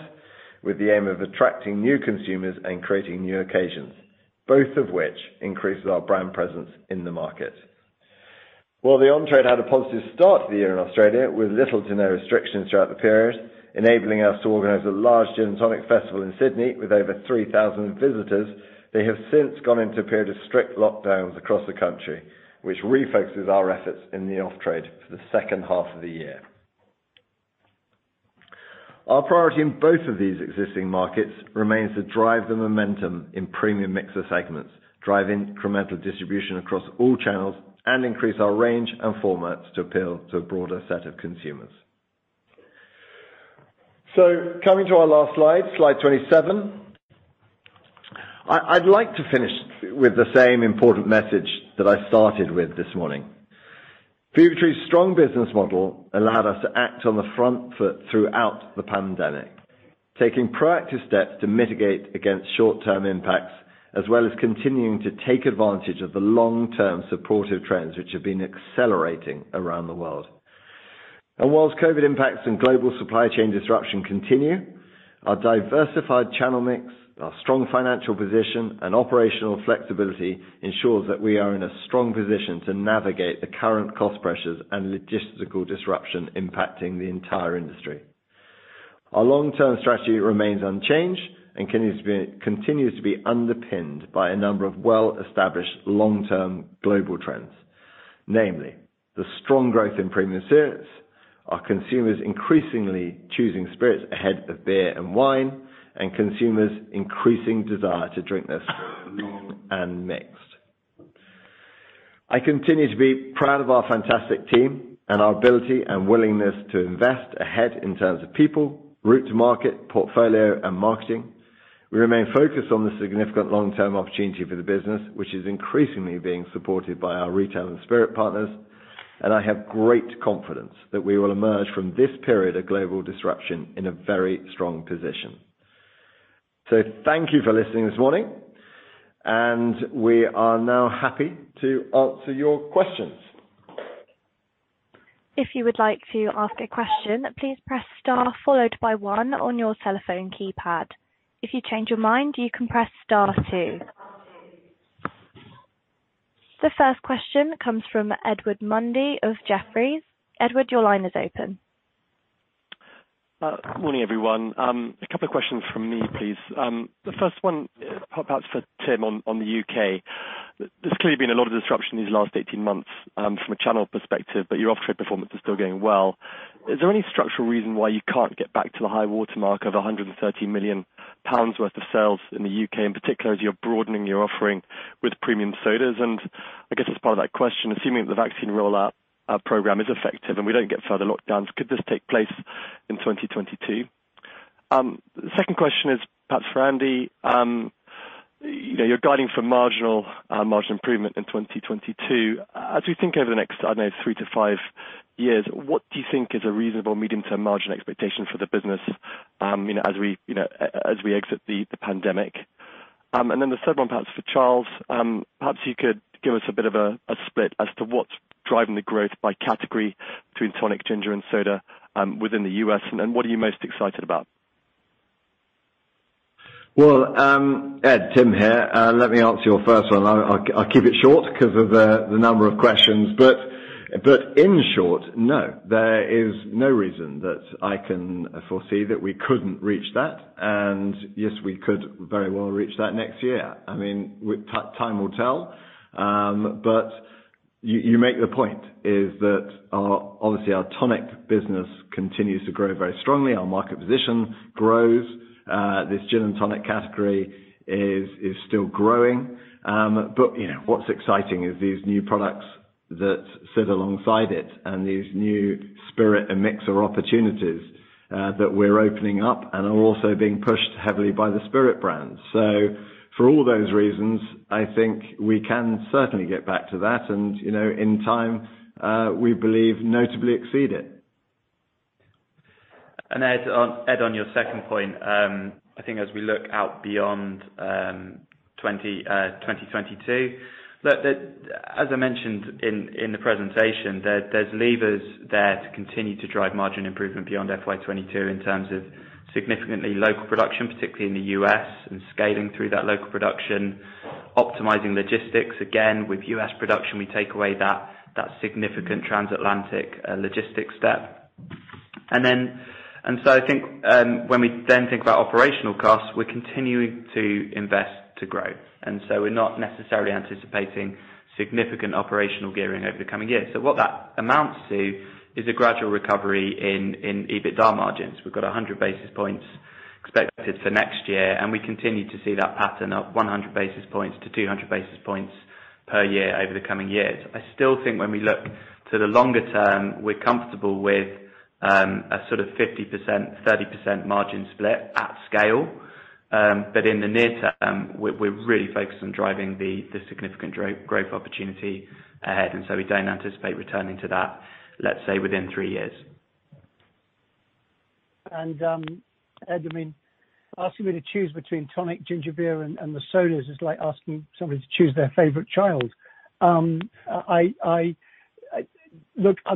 B: with the aim of attracting new consumers and creating new occasions, both of which increases our brand presence in the market. While the on-trade had a positive start to the year in Australia with little to no restrictions throughout the period, enabling us to organize a large gin and tonic festival in Sydney with over 3,000 visitors, they have since gone into a period of strict lockdowns across the country, which refocuses our efforts in the off-trade for the second half of the year. Our priority in both of these existing markets remains to drive the momentum in premium mixer segments, drive incremental distribution across all channels, and increase our range and formats to appeal to a broader set of consumers. Coming to our last Slide 27. I'd like to finish with the same important message that I started with this morning. Fever-Tree's strong business model allowed us to act on the front foot throughout the pandemic, taking proactive steps to mitigate against short-term impacts, as well as continuing to take advantage of the long-term supportive trends which have been accelerating around the world. Whilst COVID impacts and global supply chain disruption continue, our diversified channel mix, our strong financial position, and operational flexibility ensures that we are in a strong position to navigate the current cost pressures and logistical disruption impacting the entire industry. Our long-term strategy remains unchanged and continues to be underpinned by a number of well-established long-term global trends. Namely, the strong growth in premium spirits, our consumers increasingly choosing spirits ahead of beer and wine, and consumers' increasing desire to drink less, long and mixed. I continue to be proud of our fantastic team and our ability and willingness to invest ahead in terms of people, route to market, portfolio, and marketing. We remain focused on the significant long-term opportunity for the business, which is increasingly being supported by our retail and spirit partners, and I have great confidence that we will emerge from this period of global disruption in a very strong position. Thank you for listening this morning, and we are now happy to answer your questions.
A: If you would like to ask a question please press star followed by one on your telephone keypad. If you change your mind you can press star two. The first question comes from Edward Mundy of Jefferies. Edward, your line is open.
E: Morning, everyone. A couple of questions from me, please. The first one, perhaps for Tim on the U.K. There's clearly been a lot of disruption these last 18 months, from a channel perspective, but your off-trade performance is still going well. Is there any structural reason why you can't get back to the high watermark of 130 million pounds worth of sales in the U.K., in particular, as you're broadening your offering with premium sodas? I guess as part of that question, assuming that the vaccine rollout program is effective and we don't get further lockdowns, could this take place in 2022? The second question is perhaps for Andy. You're guiding for marginal margin improvement in 2022. As we think over the next, I don't know, three to five years, what do you think is a reasonable medium-term margin expectation for the business as we exit the pandemic? The third one, perhaps for Charles. Perhaps you could give us a bit of a split as to what's driving the growth by category between tonic, ginger, and soda within the U.S., and what are you most excited about?
B: Well, Edward, Timothy here, let me answer your first one. I'll keep it short because of the number of questions. In short, no, there is no reason that I can foresee that we couldn't reach that. Yes, we could very well reach that next year. Time will tell. You make the point is that obviously our tonic business continues to grow very strongly. Our market position grows. This gin and tonic category is still growing. What's exciting is these new products that sit alongside it and these new spirit and mixer opportunities that we're opening up and are also being pushed heavily by the spirit brands. For all those reasons, I think we can certainly get back to that and in time, we believe, notably exceed it.
C: Edward Mundy, on your second point, I think as we look out beyond 2022, as I mentioned in the presentation, there's levers there to continue to drive margin improvement beyond FY 2022 in terms of significantly local production, particularly in the U.S., and scaling through that local production, optimizing logistics. Again, with U.S. production, we take away that significant transatlantic logistics step. I think when we then think about operational costs, we're continuing to invest to grow, and so we're not necessarily anticipating significant operational gearing over the coming years. What that amounts to is a gradual recovery in EBITDA margins. We've got 100 basis points expected for next year, and we continue to see that pattern of 100 basis points-200 basis points per year over the coming years. I still think when we look to the longer term, we're comfortable with a sort of 50%/30% margin split at scale. In the near term, we're really focused on driving the significant growth opportunity ahead, and so we don't anticipate returning to that, let's say, within three years.
D: Ed, asking me to choose between tonic, ginger beer, and the sodas is like asking somebody to choose their favorite child. I'm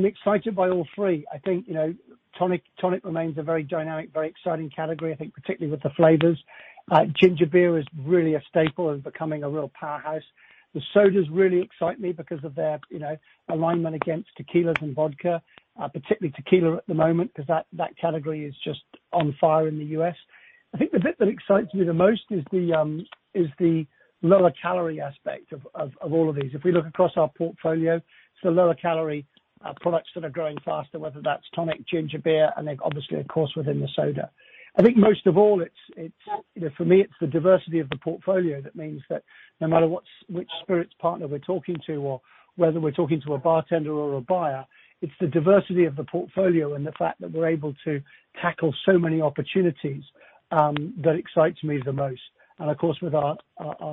D: excited by all three. Tonic remains a very dynamic, very exciting category, I think particularly with the flavors. Ginger beer is really a staple and becoming a real powerhouse. The sodas really excite me because of their alignment against tequilas and vodka, particularly tequila at the moment, because that category is just on fire in the U.S. The bit that excites me the most is the lower calorie aspect of all of these. If we look across our portfolio, it's the lower calorie products that are growing faster, whether that's tonic, ginger beer, and then obviously, of course, within the soda. I think most of all, for me, it's the diversity of the portfolio that means that no matter which spirits partner we're talking to or whether we're talking to a bartender or a buyer, it's the diversity of the portfolio and the fact that we're able to tackle so many opportunities that excites me the most. Of course, with our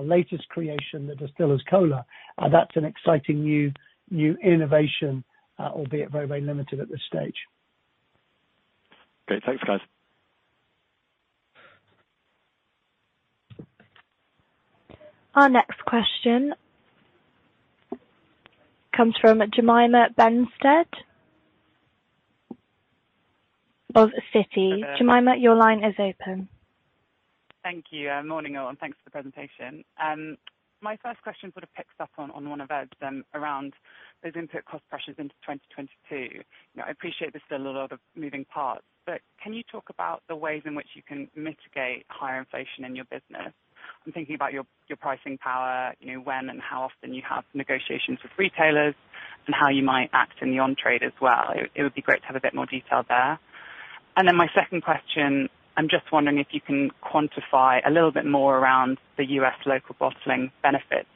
D: latest creation, the Distillers Cola, that's an exciting new innovation, albeit very limited at this stage.
E: Great. Thanks, guys.
A: Our next question comes from Jemima Benstead of Citi. Jemima, your line is open.
F: Thank you. Morning, all, and thanks for the presentation. My first question sort of picks up on one of Ed's around those input cost pressures into 2022. I appreciate there's still a lot of moving parts, but can you talk about the ways in which you can mitigate higher inflation in your business? I'm thinking about your pricing power, when and how often you have negotiations with retailers, and how you might act in the on-trade as well. It would be great to have a bit more detail there. My second question, I'm just wondering if you can quantify a little bit more around the U.S. local bottling benefits.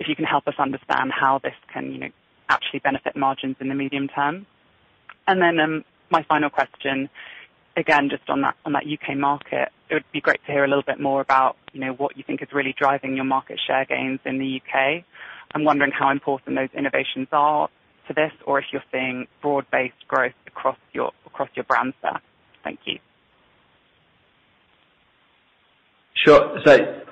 F: If you can help us understand how this can actually benefit margins in the medium term? My final question, again, just on that U.K. market, it would be great to hear a little bit more about what you think is really driving your market share gains in the U.K. I'm wondering how important those innovations are to this, or if you're seeing broad-based growth across your brand set. Thank you.
C: Sure.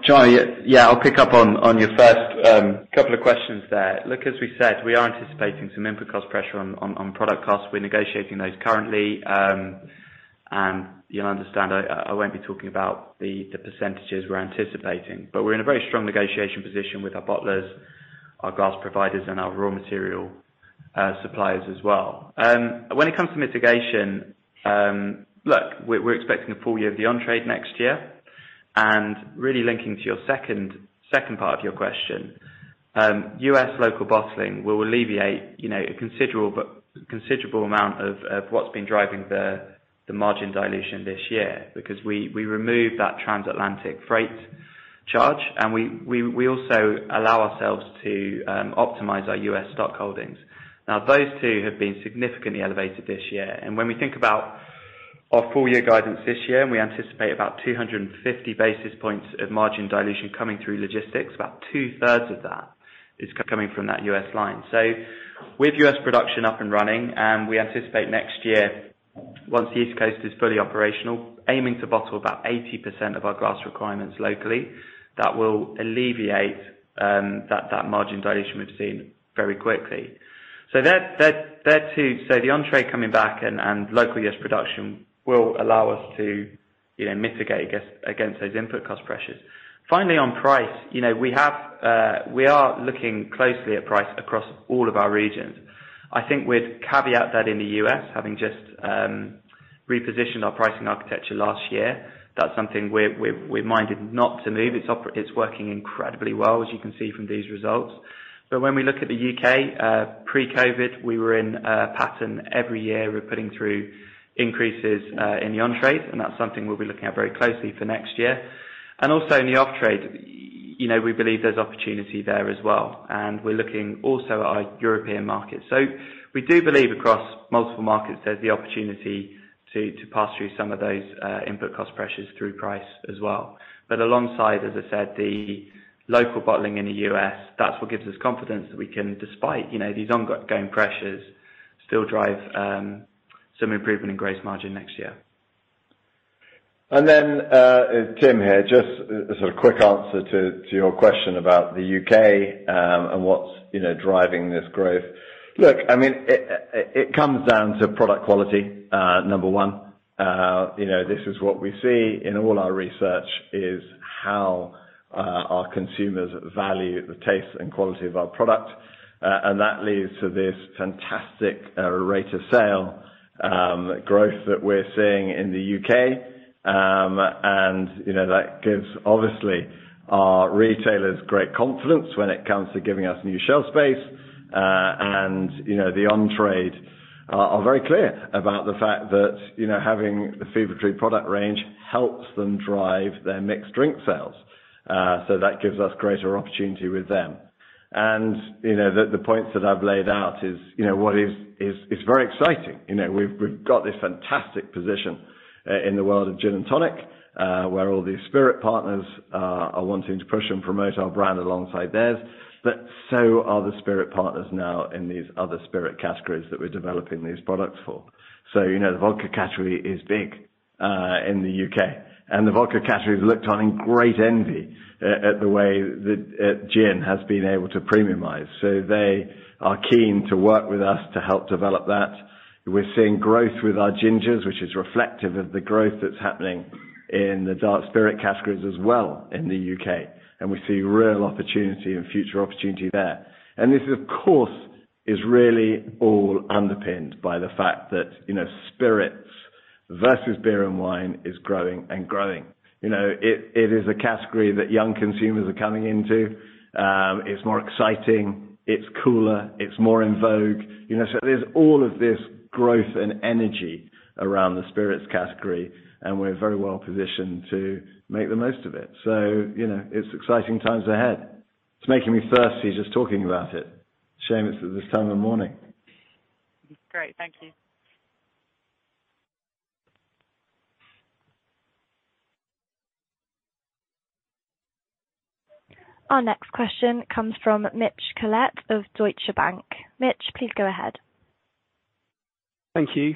C: Charlie, yeah, I'll pick up on your first couple of questions there. Look, as we said, we are anticipating some input cost pressure on product costs. We're negotiating those currently. You'll understand, I won't be talking about the percentages we're anticipating, but we're in a very strong negotiation position with our bottlers, our glass providers, and our raw material suppliers as well. When it comes to mitigation, look, we're expecting a full year of the on-trade next year. Really linking to your second part of your question, U.S. local bottling will alleviate a considerable amount of what's been driving the margin dilution this year because we remove that trans-Atlantic freight charge, and we also allow ourselves to optimize our U.S. stock holdings. Those two have been significantly elevated this year. When we think about our full year guidance this year, we anticipate about 250 basis points of margin dilution coming through logistics, about two-thirds of that is coming from that U.S. line. With U.S. production up and running, we anticipate next year, once the East Coast is fully operational, aiming to bottle about 80% of our glass requirements locally, that will alleviate that margin dilution we've seen very quickly. The on-trade coming back and local U.S. production will allow us to mitigate against those input cost pressures. Finally, on price, we are looking closely at price across all of our regions. I think we'd caveat that in the U.S., having just repositioned our pricing architecture last year, that's something we're minded not to move. It's working incredibly well, as you can see from these results. When we look at the U.K., pre-COVID, we were in a pattern every year we're putting through increases in the on-trade, and that's something we'll be looking at very closely for next year. Also in the off-trade, we believe there's opportunity there as well. We're looking also at our European markets. We do believe across multiple markets, there's the opportunity to pass through some of those input cost pressures through price as well. Alongside, as I said, the local bottling in the U.S., that's what gives us confidence that we can, despite these ongoing pressures, still drive some improvement in gross margin next year.
B: Tim here, just a sort of quick answer to your question about the U.K., and what's driving this growth. Look, it comes down to product quality, number one. This is what we see in all our research is how our consumers value the taste and quality of our product. That leads to this fantastic rate of sale growth that we're seeing in the U.K. That gives, obviously, our retailers great confidence when it comes to giving us new shelf space. The on-trade are very clear about the fact that having the Fever-Tree product range helps them drive their mixed drink sales. That gives us greater opportunity with them. The points that I've laid out is very exciting. We've got this fantastic position in the world of gin and tonic, where all these spirit partners are wanting to push and promote our brand alongside theirs. So are the spirit partners now in these other spirit categories that we're developing these products for. The vodka category is big in the U.K., and the vodka category has looked on in great envy at the way that gin has been able to premiumize. They are keen to work with us to help develop that. We're seeing growth with our gingers, which is reflective of the growth that's happening in the dark spirit categories as well in the U.K., and we see real opportunity and future opportunity there. This, of course, is really all underpinned by the fact that spirits versus beer and wine is growing and growing. It is a category that young consumers are coming into. It's more exciting. It's cooler. It's more in vogue. There's all of this growth and energy around the spirits category, and we're very well positioned to make the most of it. It's exciting times ahead. It's making me thirsty just talking about it. Shame it's at this time of morning.
F: Great. Thank you.
A: Our next question comes from Mitch Collett of Deutsche Bank. Mitch, please go ahead.
G: Thank you.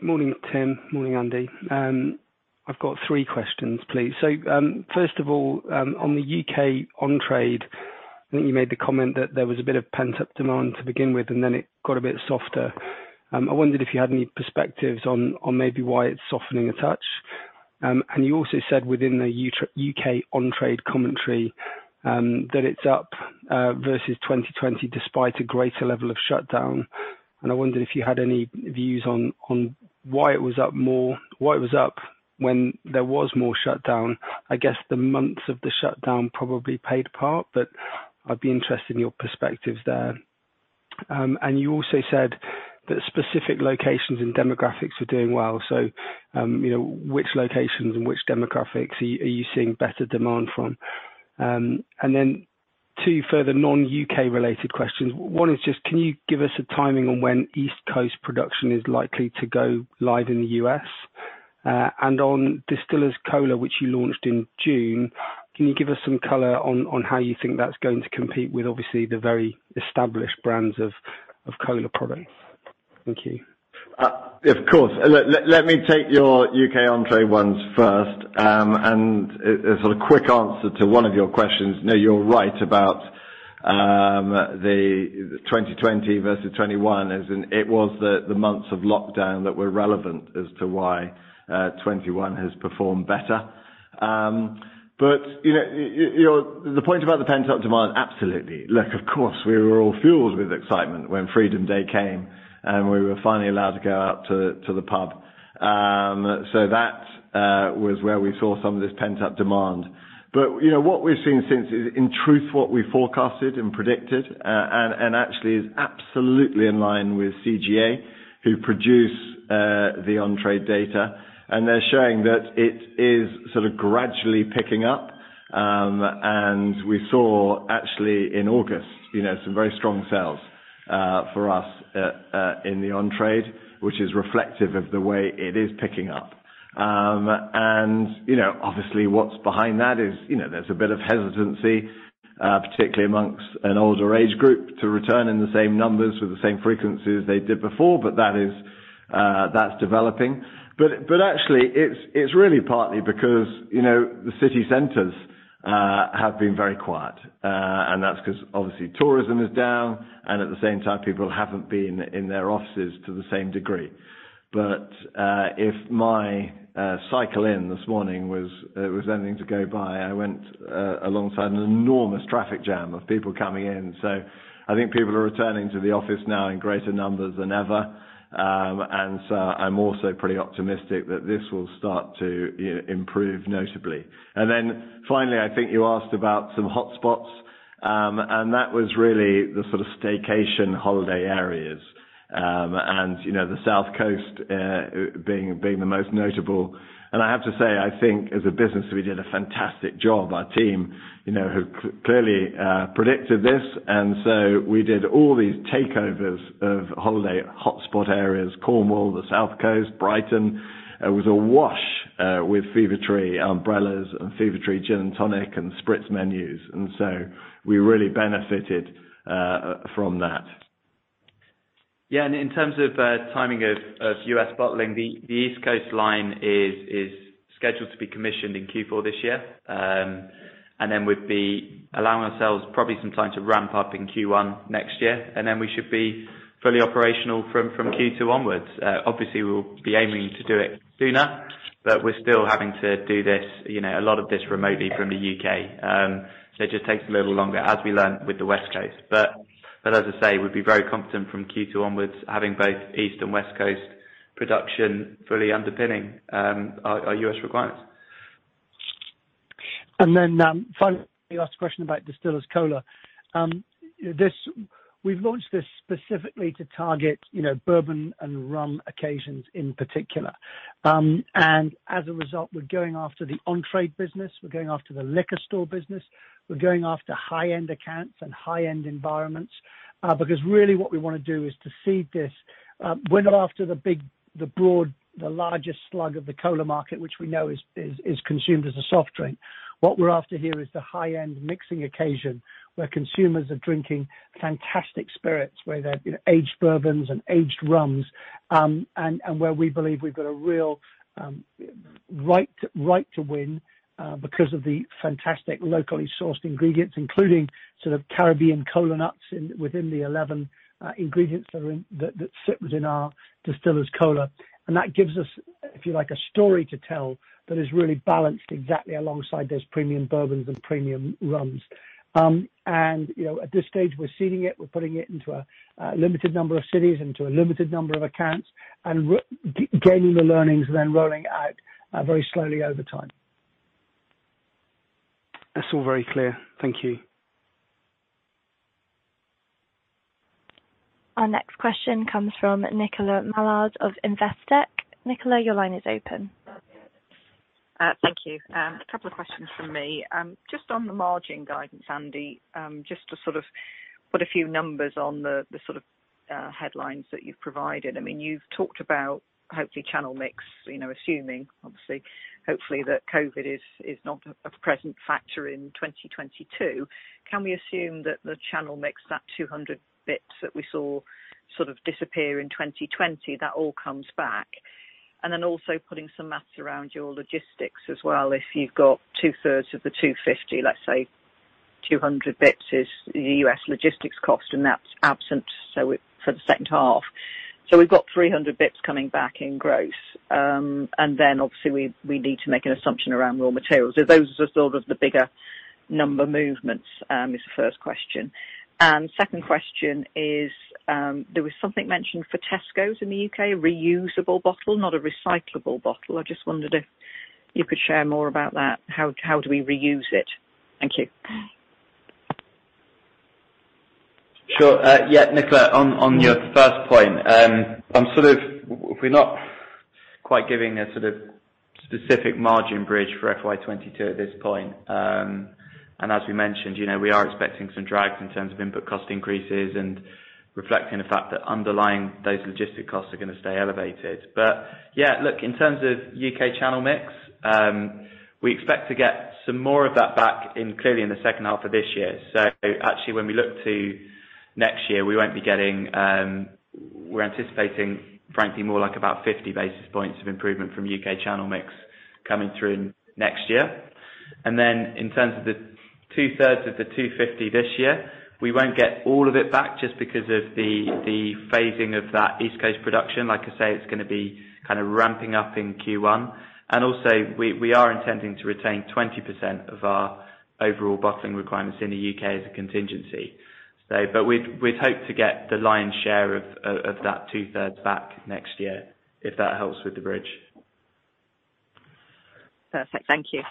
G: Morning, Tim. Morning, Andy. I've got three questions, please. First of all, on the U.K. on-trade, I think you made the comment that there was a bit of pent-up demand to begin with, and then it got a bit softer. I wondered if you had any perspectives on maybe why it's softening a touch. You also said within the U.K. on-trade commentary, that it's up versus 2020 despite a greater level of shutdown. I wondered if you had any views on why it was up when there was more shutdown. I guess the months of the shutdown probably played a part, but I'd be interested in your perspectives there. You also said that specific locations and demographics are doing well. Which locations and which demographics are you seeing better demand from? Two further non-U.K. related questions. One is just, can you give us a timing on when East Coast production is likely to go live in the U.S.? On Distillers Cola, which you launched in June, can you give us some color on how you think that's going to compete with obviously the very established brands of cola products? Thank you.
B: Of course. Let me take your U.K. on-trade ones first. A sort of quick answer to one of your questions. No, you're right about the 2020 versus 2021, as in, it was the months of lockdown that were relevant as to why 2021 has performed better. The point about the pent-up demand, absolutely. Look, of course, we were all fueled with excitement when Freedom Day came, and we were finally allowed to go out to the pub. That was where we saw some of this pent-up demand. What we've seen since is, in truth, what we forecasted and predicted, and actually is absolutely in line with CGA, who produce the on-trade data. They're showing that it is sort of gradually picking up. We saw actually in August some very strong sales for us in the on-trade, which is reflective of the way it is picking up. Obviously, what's behind that is there's a bit of hesitancy, particularly amongst an older age group, to return in the same numbers with the same frequency as they did before, but that's developing. Actually, it's really partly because the city centers have been very quiet. That's because obviously tourism is down, and at the same time, people haven't been in their offices to the same degree. If my cycle in this morning was anything to go by, I went alongside an enormous traffic jam of people coming in. I think people are returning to the office now in greater numbers than ever. I'm also pretty optimistic that this will start to improve notably. Then finally, I think you asked about some hotspots, and that was really the sort of staycation holiday areas, the South Coast being the most notable. I have to say, I think as a business, we did a fantastic job. Our team clearly predicted this. So we did all these takeovers of holiday hotspot areas, Cornwall, the South Coast, Brighton. It was awash with Fever-Tree umbrellas and Fever-Tree gin and tonic and spritz menus. So we really benefited from that.
C: In terms of timing of U.S. bottling, the East Coast line is scheduled to be commissioned in Q4 this year. We'd be allowing ourselves probably some time to ramp up in Q1 next year. We should be fully operational from Q2 onwards. Obviously, we'll be aiming to do it sooner, but we're still having to do a lot of this remotely from the U.K. It just takes a little longer, as we learned with the West Coast. As I say, we'd be very confident from Q2 onwards having both East and West Coast production fully underpinning our U.S. requirements.
D: Finally, you asked a question about Distillers Cola. We’ve launched this specifically to target bourbon and rum occasions in particular. As a result, we’re going after the on-trade business. We’re going after the liquor store business. We’re going after high-end accounts and high-end environments. Because really what we want to do is to seed this. We’re not after the big, the broad, the largest slug of the cola market, which we know is consumed as a soft drink. What we’re after here is the high-end mixing occasion, where consumers are drinking fantastic spirits, whether aged bourbons and aged rums, and where we believe we’ve got a real right to win because of the fantastic locally sourced ingredients, including sort of Caribbean kola nuts within the 11 ingredients that sit within our Distillers Cola. That gives us, if you like, a story to tell that is really balanced exactly alongside those premium bourbons and premium rums. At this stage, we're seeding it. We're putting it into a limited number of cities, into a limited number of accounts, and gaining the learnings, then rolling out very slowly over time.
G: That's all very clear. Thank you.
A: Our next question comes from Nicola Mallard of Investec. Nicola, your line is open.
H: Thank you. A couple of questions from me. Just on the margin guidance, Andy, just to sort of put a few numbers on the sort of headlines that you've provided. You've talked about hopefully channel mix, assuming obviously, hopefully that COVID is not a present factor in 2022. Can we assume that the channel mix, that 200 basis points that we saw sort of disappear in 2020, that all comes back? Also putting some math around your logistics as well. If you've got two-thirds of the 250, let's say 200 basis points is the U.S. logistics cost and that's absent for the second half. We've got 300 basis points coming back in growth. Obviously we need to make an assumption around raw materials. Those are sort of the bigger number movements, is the first question. Second question is, there was something mentioned for Tesco in the U.K., reusable bottle, not a recyclable bottle. I just wondered if you could share more about that. How do we reuse it? Thank you.
C: Sure. Yeah, Nicola, on your first point, we're not quite giving a specific margin bridge for FY22 at this point. As we mentioned, we are expecting some drags in terms of input cost increases and reflecting the fact that underlying those logistic costs are going to stay elevated. Yeah, look, in terms of U.K. channel mix, we expect to get some more of that back clearly in the second half of this year. Actually, when we look to next year, we're anticipating, frankly, more like about 50 basis points of improvement from U.K. channel mix coming through next year. Then in terms of the 2/3 of the 250 this year, we won't get all of it back just because of the phasing of that East Coast production. Like I say, it's going to be kind of ramping up in Q1. We are intending to retain 20% of our overall bottling requirements in the U.K. as a contingency. We'd hope to get the lion's share of that 2/3s back next year, if that helps with the bridge.
H: Perfect. Thank you.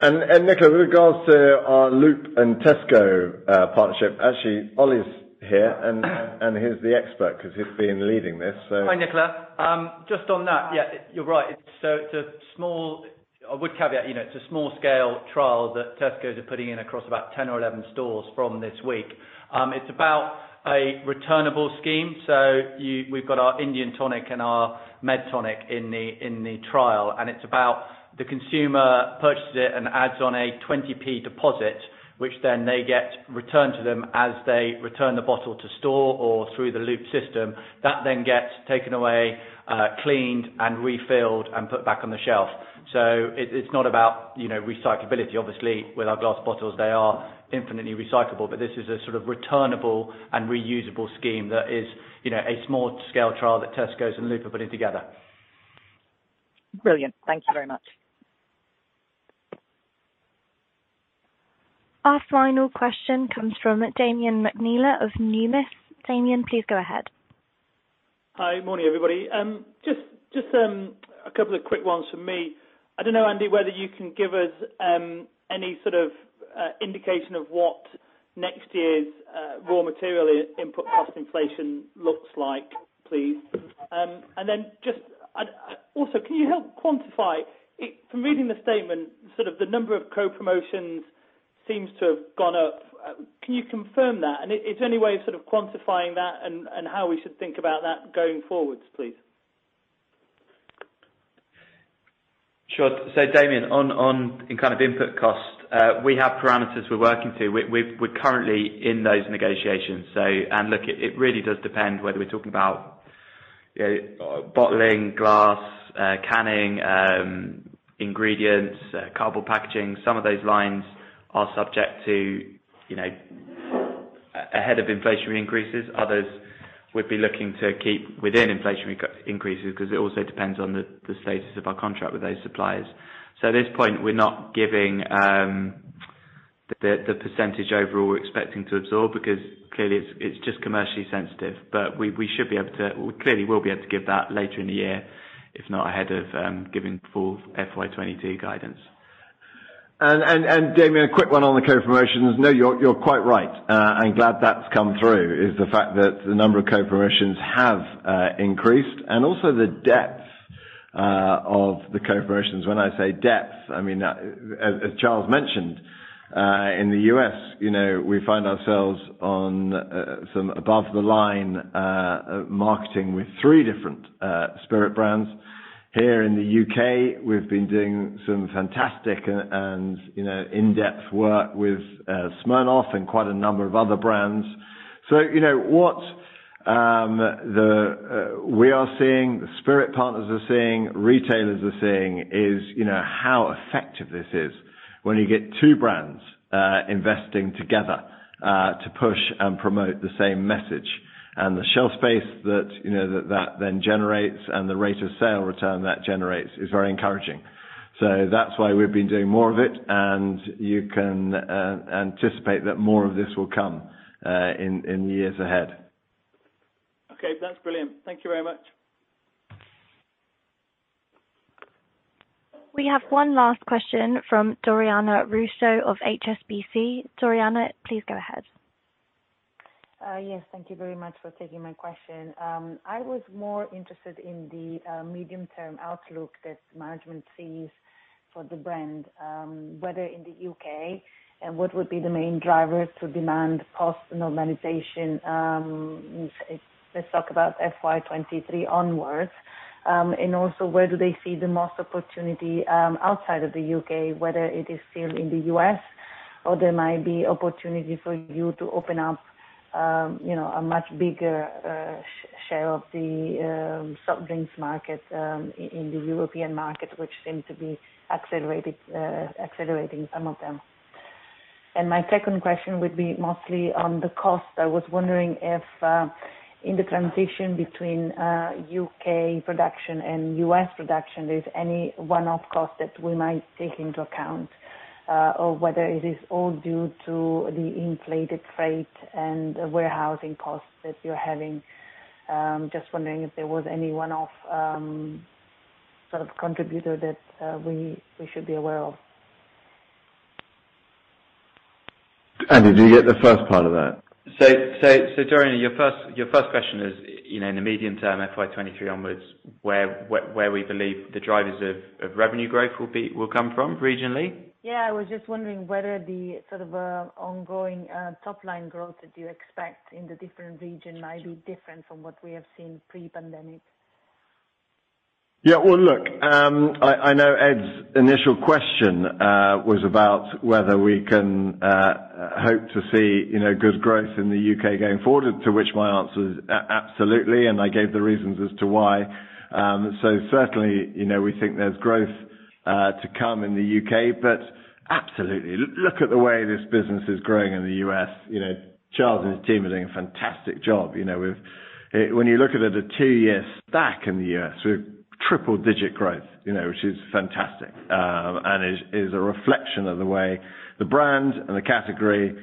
B: Nicola, with regards to our Loop and Tesco partnership, actually, Ollie's here and he's the expert because he's been leading this.
I: Hi, Nicola. On that, you're right. I would caveat, it's a small-scale trial that Tesco are putting in across about 10 or 11 stores from this week. It's about a returnable scheme. We've got our Indian tonic and our med tonic in the trial, and it's about the consumer purchases it and adds on a 0.20 deposit, which then they get returned to them as they return the bottle to store or through the Loop system. That gets taken away, cleaned, and refilled, and put back on the shelf. It's not about recyclability. Obviously, with our glass bottles, they are infinitely recyclable, this is a sort of returnable and reusable scheme that is a small-scale trial that Tesco and Loop are putting together.
H: Brilliant. Thank you very much.
A: Our final question comes from Damian McNeela of Numis. Damian, please go ahead.
J: Hi. Morning, everybody. Just a couple of quick ones from me. I don't know, Andy, whether you can give us any sort of indication of what next year's raw material input cost inflation looks like, please. Just also, can you help quantify it? From reading the statement, sort of the number of co-promotions seems to have gone up. Can you confirm that? Is there any way of sort of quantifying that and how we should think about that going forwards, please?
C: Sure. Damian, on input costs, we have parameters we're working to. We're currently in those negotiations. Look, it really does depend whether we're talking about bottling, glass, canning, ingredients, cardboard packaging. Some of those lines are subject to ahead of inflationary increases. Others we'd be looking to keep within inflationary increases because it also depends on the status of our contract with those suppliers. At this point, we're not giving the percentage overall we're expecting to absorb because clearly it's just commercially sensitive. We clearly will be able to give that later in the year, if not ahead of giving full FY22 guidance.
B: Damian McNeely, a quick one on the co-promotions. No, you're quite right. I'm glad that's come through, is the fact that the number of co-promotions have increased and also the depth of the co-promotions. When I say depth, I mean, as Charles Gibb mentioned, in the U.S. we find ourselves on some above the line marketing with three different spirit brands. Here in the U.K., we've been doing some fantastic and in-depth work with Smirnoff and quite a number of other brands. What we are seeing, the spirit partners are seeing, retailers are seeing is how effective this is when you get two brands investing together to push and promote the same message. The shelf space that then generates and the rate of sale return that generates is very encouraging. That's why we've been doing more of it, and you can anticipate that more of this will come in years ahead.
J: Okay. That's brilliant. Thank you very much.
A: We have one last question from Doriana Russo of HSBC. Doriana, please go ahead.
K: Yes, thank you very much for taking my question. I was more interested in the medium-term outlook that management sees for the brand, whether in the U.K. and what would be the main drivers to demand post normalization. Let's talk about FY 2023 onwards. Also where do they see the most opportunity outside of the U.K., whether it is still in the U.S. or there might be opportunity for you to open up a much bigger share of the soft drinks market in the European market, which seem to be accelerating some of them. My second question would be mostly on the cost. I was wondering if in the transition between U.K. production and U.S. production, there's any one-off cost that we might take into account. Whether it is all due to the inflated freight and warehousing costs that you're having. Just wondering if there was any one-off sort of contributor that we should be aware of?
B: Andy, did you get the first part of that?
C: Doriana, your first question is, in the medium term, FY 2023 onwards, where we believe the drivers of revenue growth will come from regionally?
K: Yeah, I was just wondering whether the sort of ongoing top-line growth that you expect in the different region might be different from what we have seen pre-pandemic?
B: Well, look, I know Ed's initial question was about whether we can hope to see good growth in the U.K. going forward, to which my answer is absolutely, I gave the reasons as to why. Certainly, we think there's growth to come in the U.K., absolutely. Look at the way this business is growing in the U.S. Charles and his team are doing a fantastic job. When you look at it a two-year stack in the U.S., we're triple-digit growth, which is fantastic. Is a reflection of the way the brand and the category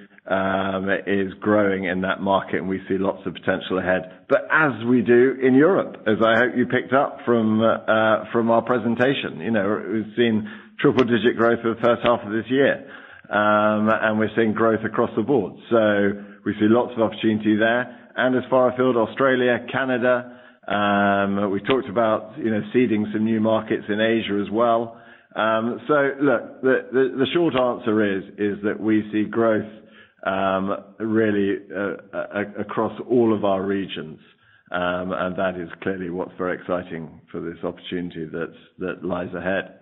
B: is growing in that market, we see lots of potential ahead. As we do in Europe, as I hope you picked up from our presentation. We've seen triple-digit growth for the first half of this year. We're seeing growth across the board. We see lots of opportunity there. As far afield, Australia, Canada, we talked about seeding some new markets in Asia as well. Look, the short answer is that we see growth, really, across all of our regions. That is clearly what's very exciting for this opportunity that lies ahead.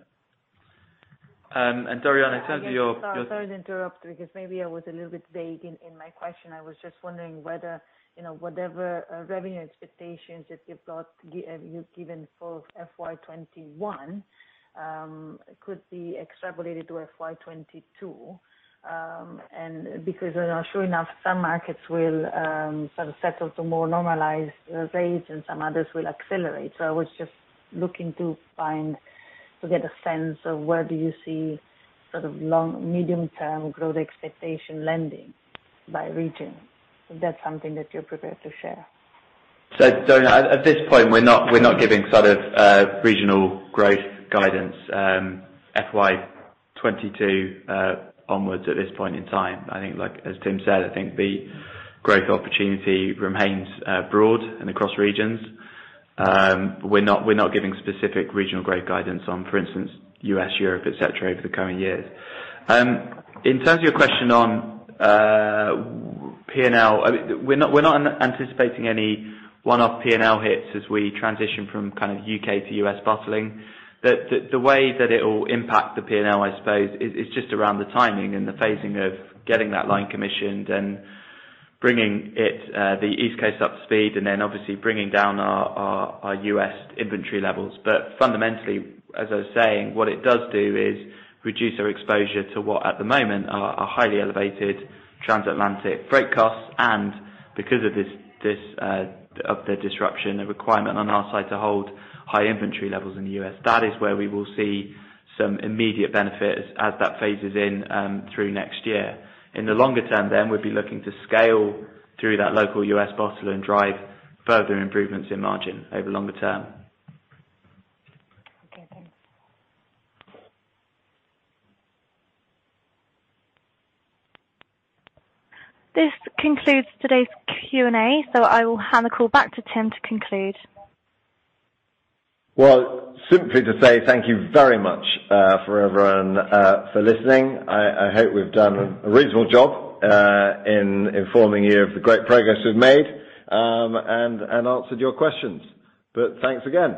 B: Doriana, in terms of your-
K: Sorry to interrupt because maybe I was a little bit vague in my question. I was just wondering whether whatever revenue expectations that you've got, you've given for FY 2021 could be extrapolated to FY 2022. Sure enough, some markets will sort of settle to more normalized rates and some others will accelerate. I was just looking to get a sense of where do you see sort of medium term growth expectation lending by region, if that's something that you're prepared to share.
C: Doriana, at this point, we're not giving regional growth guidance FY 2022 onwards at this point in time. I think, as Tim said, I think the growth opportunity remains broad and across regions. We're not giving specific regional growth guidance on, for instance, U.S., Europe, et cetera, over the coming years. In terms of your question on P&L, we're not anticipating any one-off P&L hits as we transition from U.K. to U.S. bottling. The way that it'll impact the P&L, I suppose, is just around the timing and the phasing of getting that line commissioned and bringing the East Coast up to speed and then obviously bringing down our U.S. inventory levels. Fundamentally, as I was saying, what it does do is reduce our exposure to what at the moment are highly elevated transatlantic freight costs, and because of the disruption, the requirement on our side to hold high inventory levels in the U.S. That is where we will see some immediate benefit as that phases in through next year. In the longer term, we'd be looking to scale through that local U.S. bottler and drive further improvements in margin over longer term.
K: Okay, thanks.
A: This concludes today's Q&A. I will hand the call back to Tim to conclude.
B: Simply to say thank you very much for everyone for listening. I hope we've done a reasonable job in informing you of the great progress we've made, and answered your questions. Thanks again.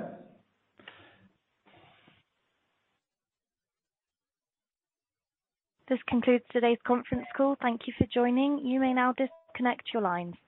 A: This concludes today's conference call. Thank you for joining. You may now disconnect your lines.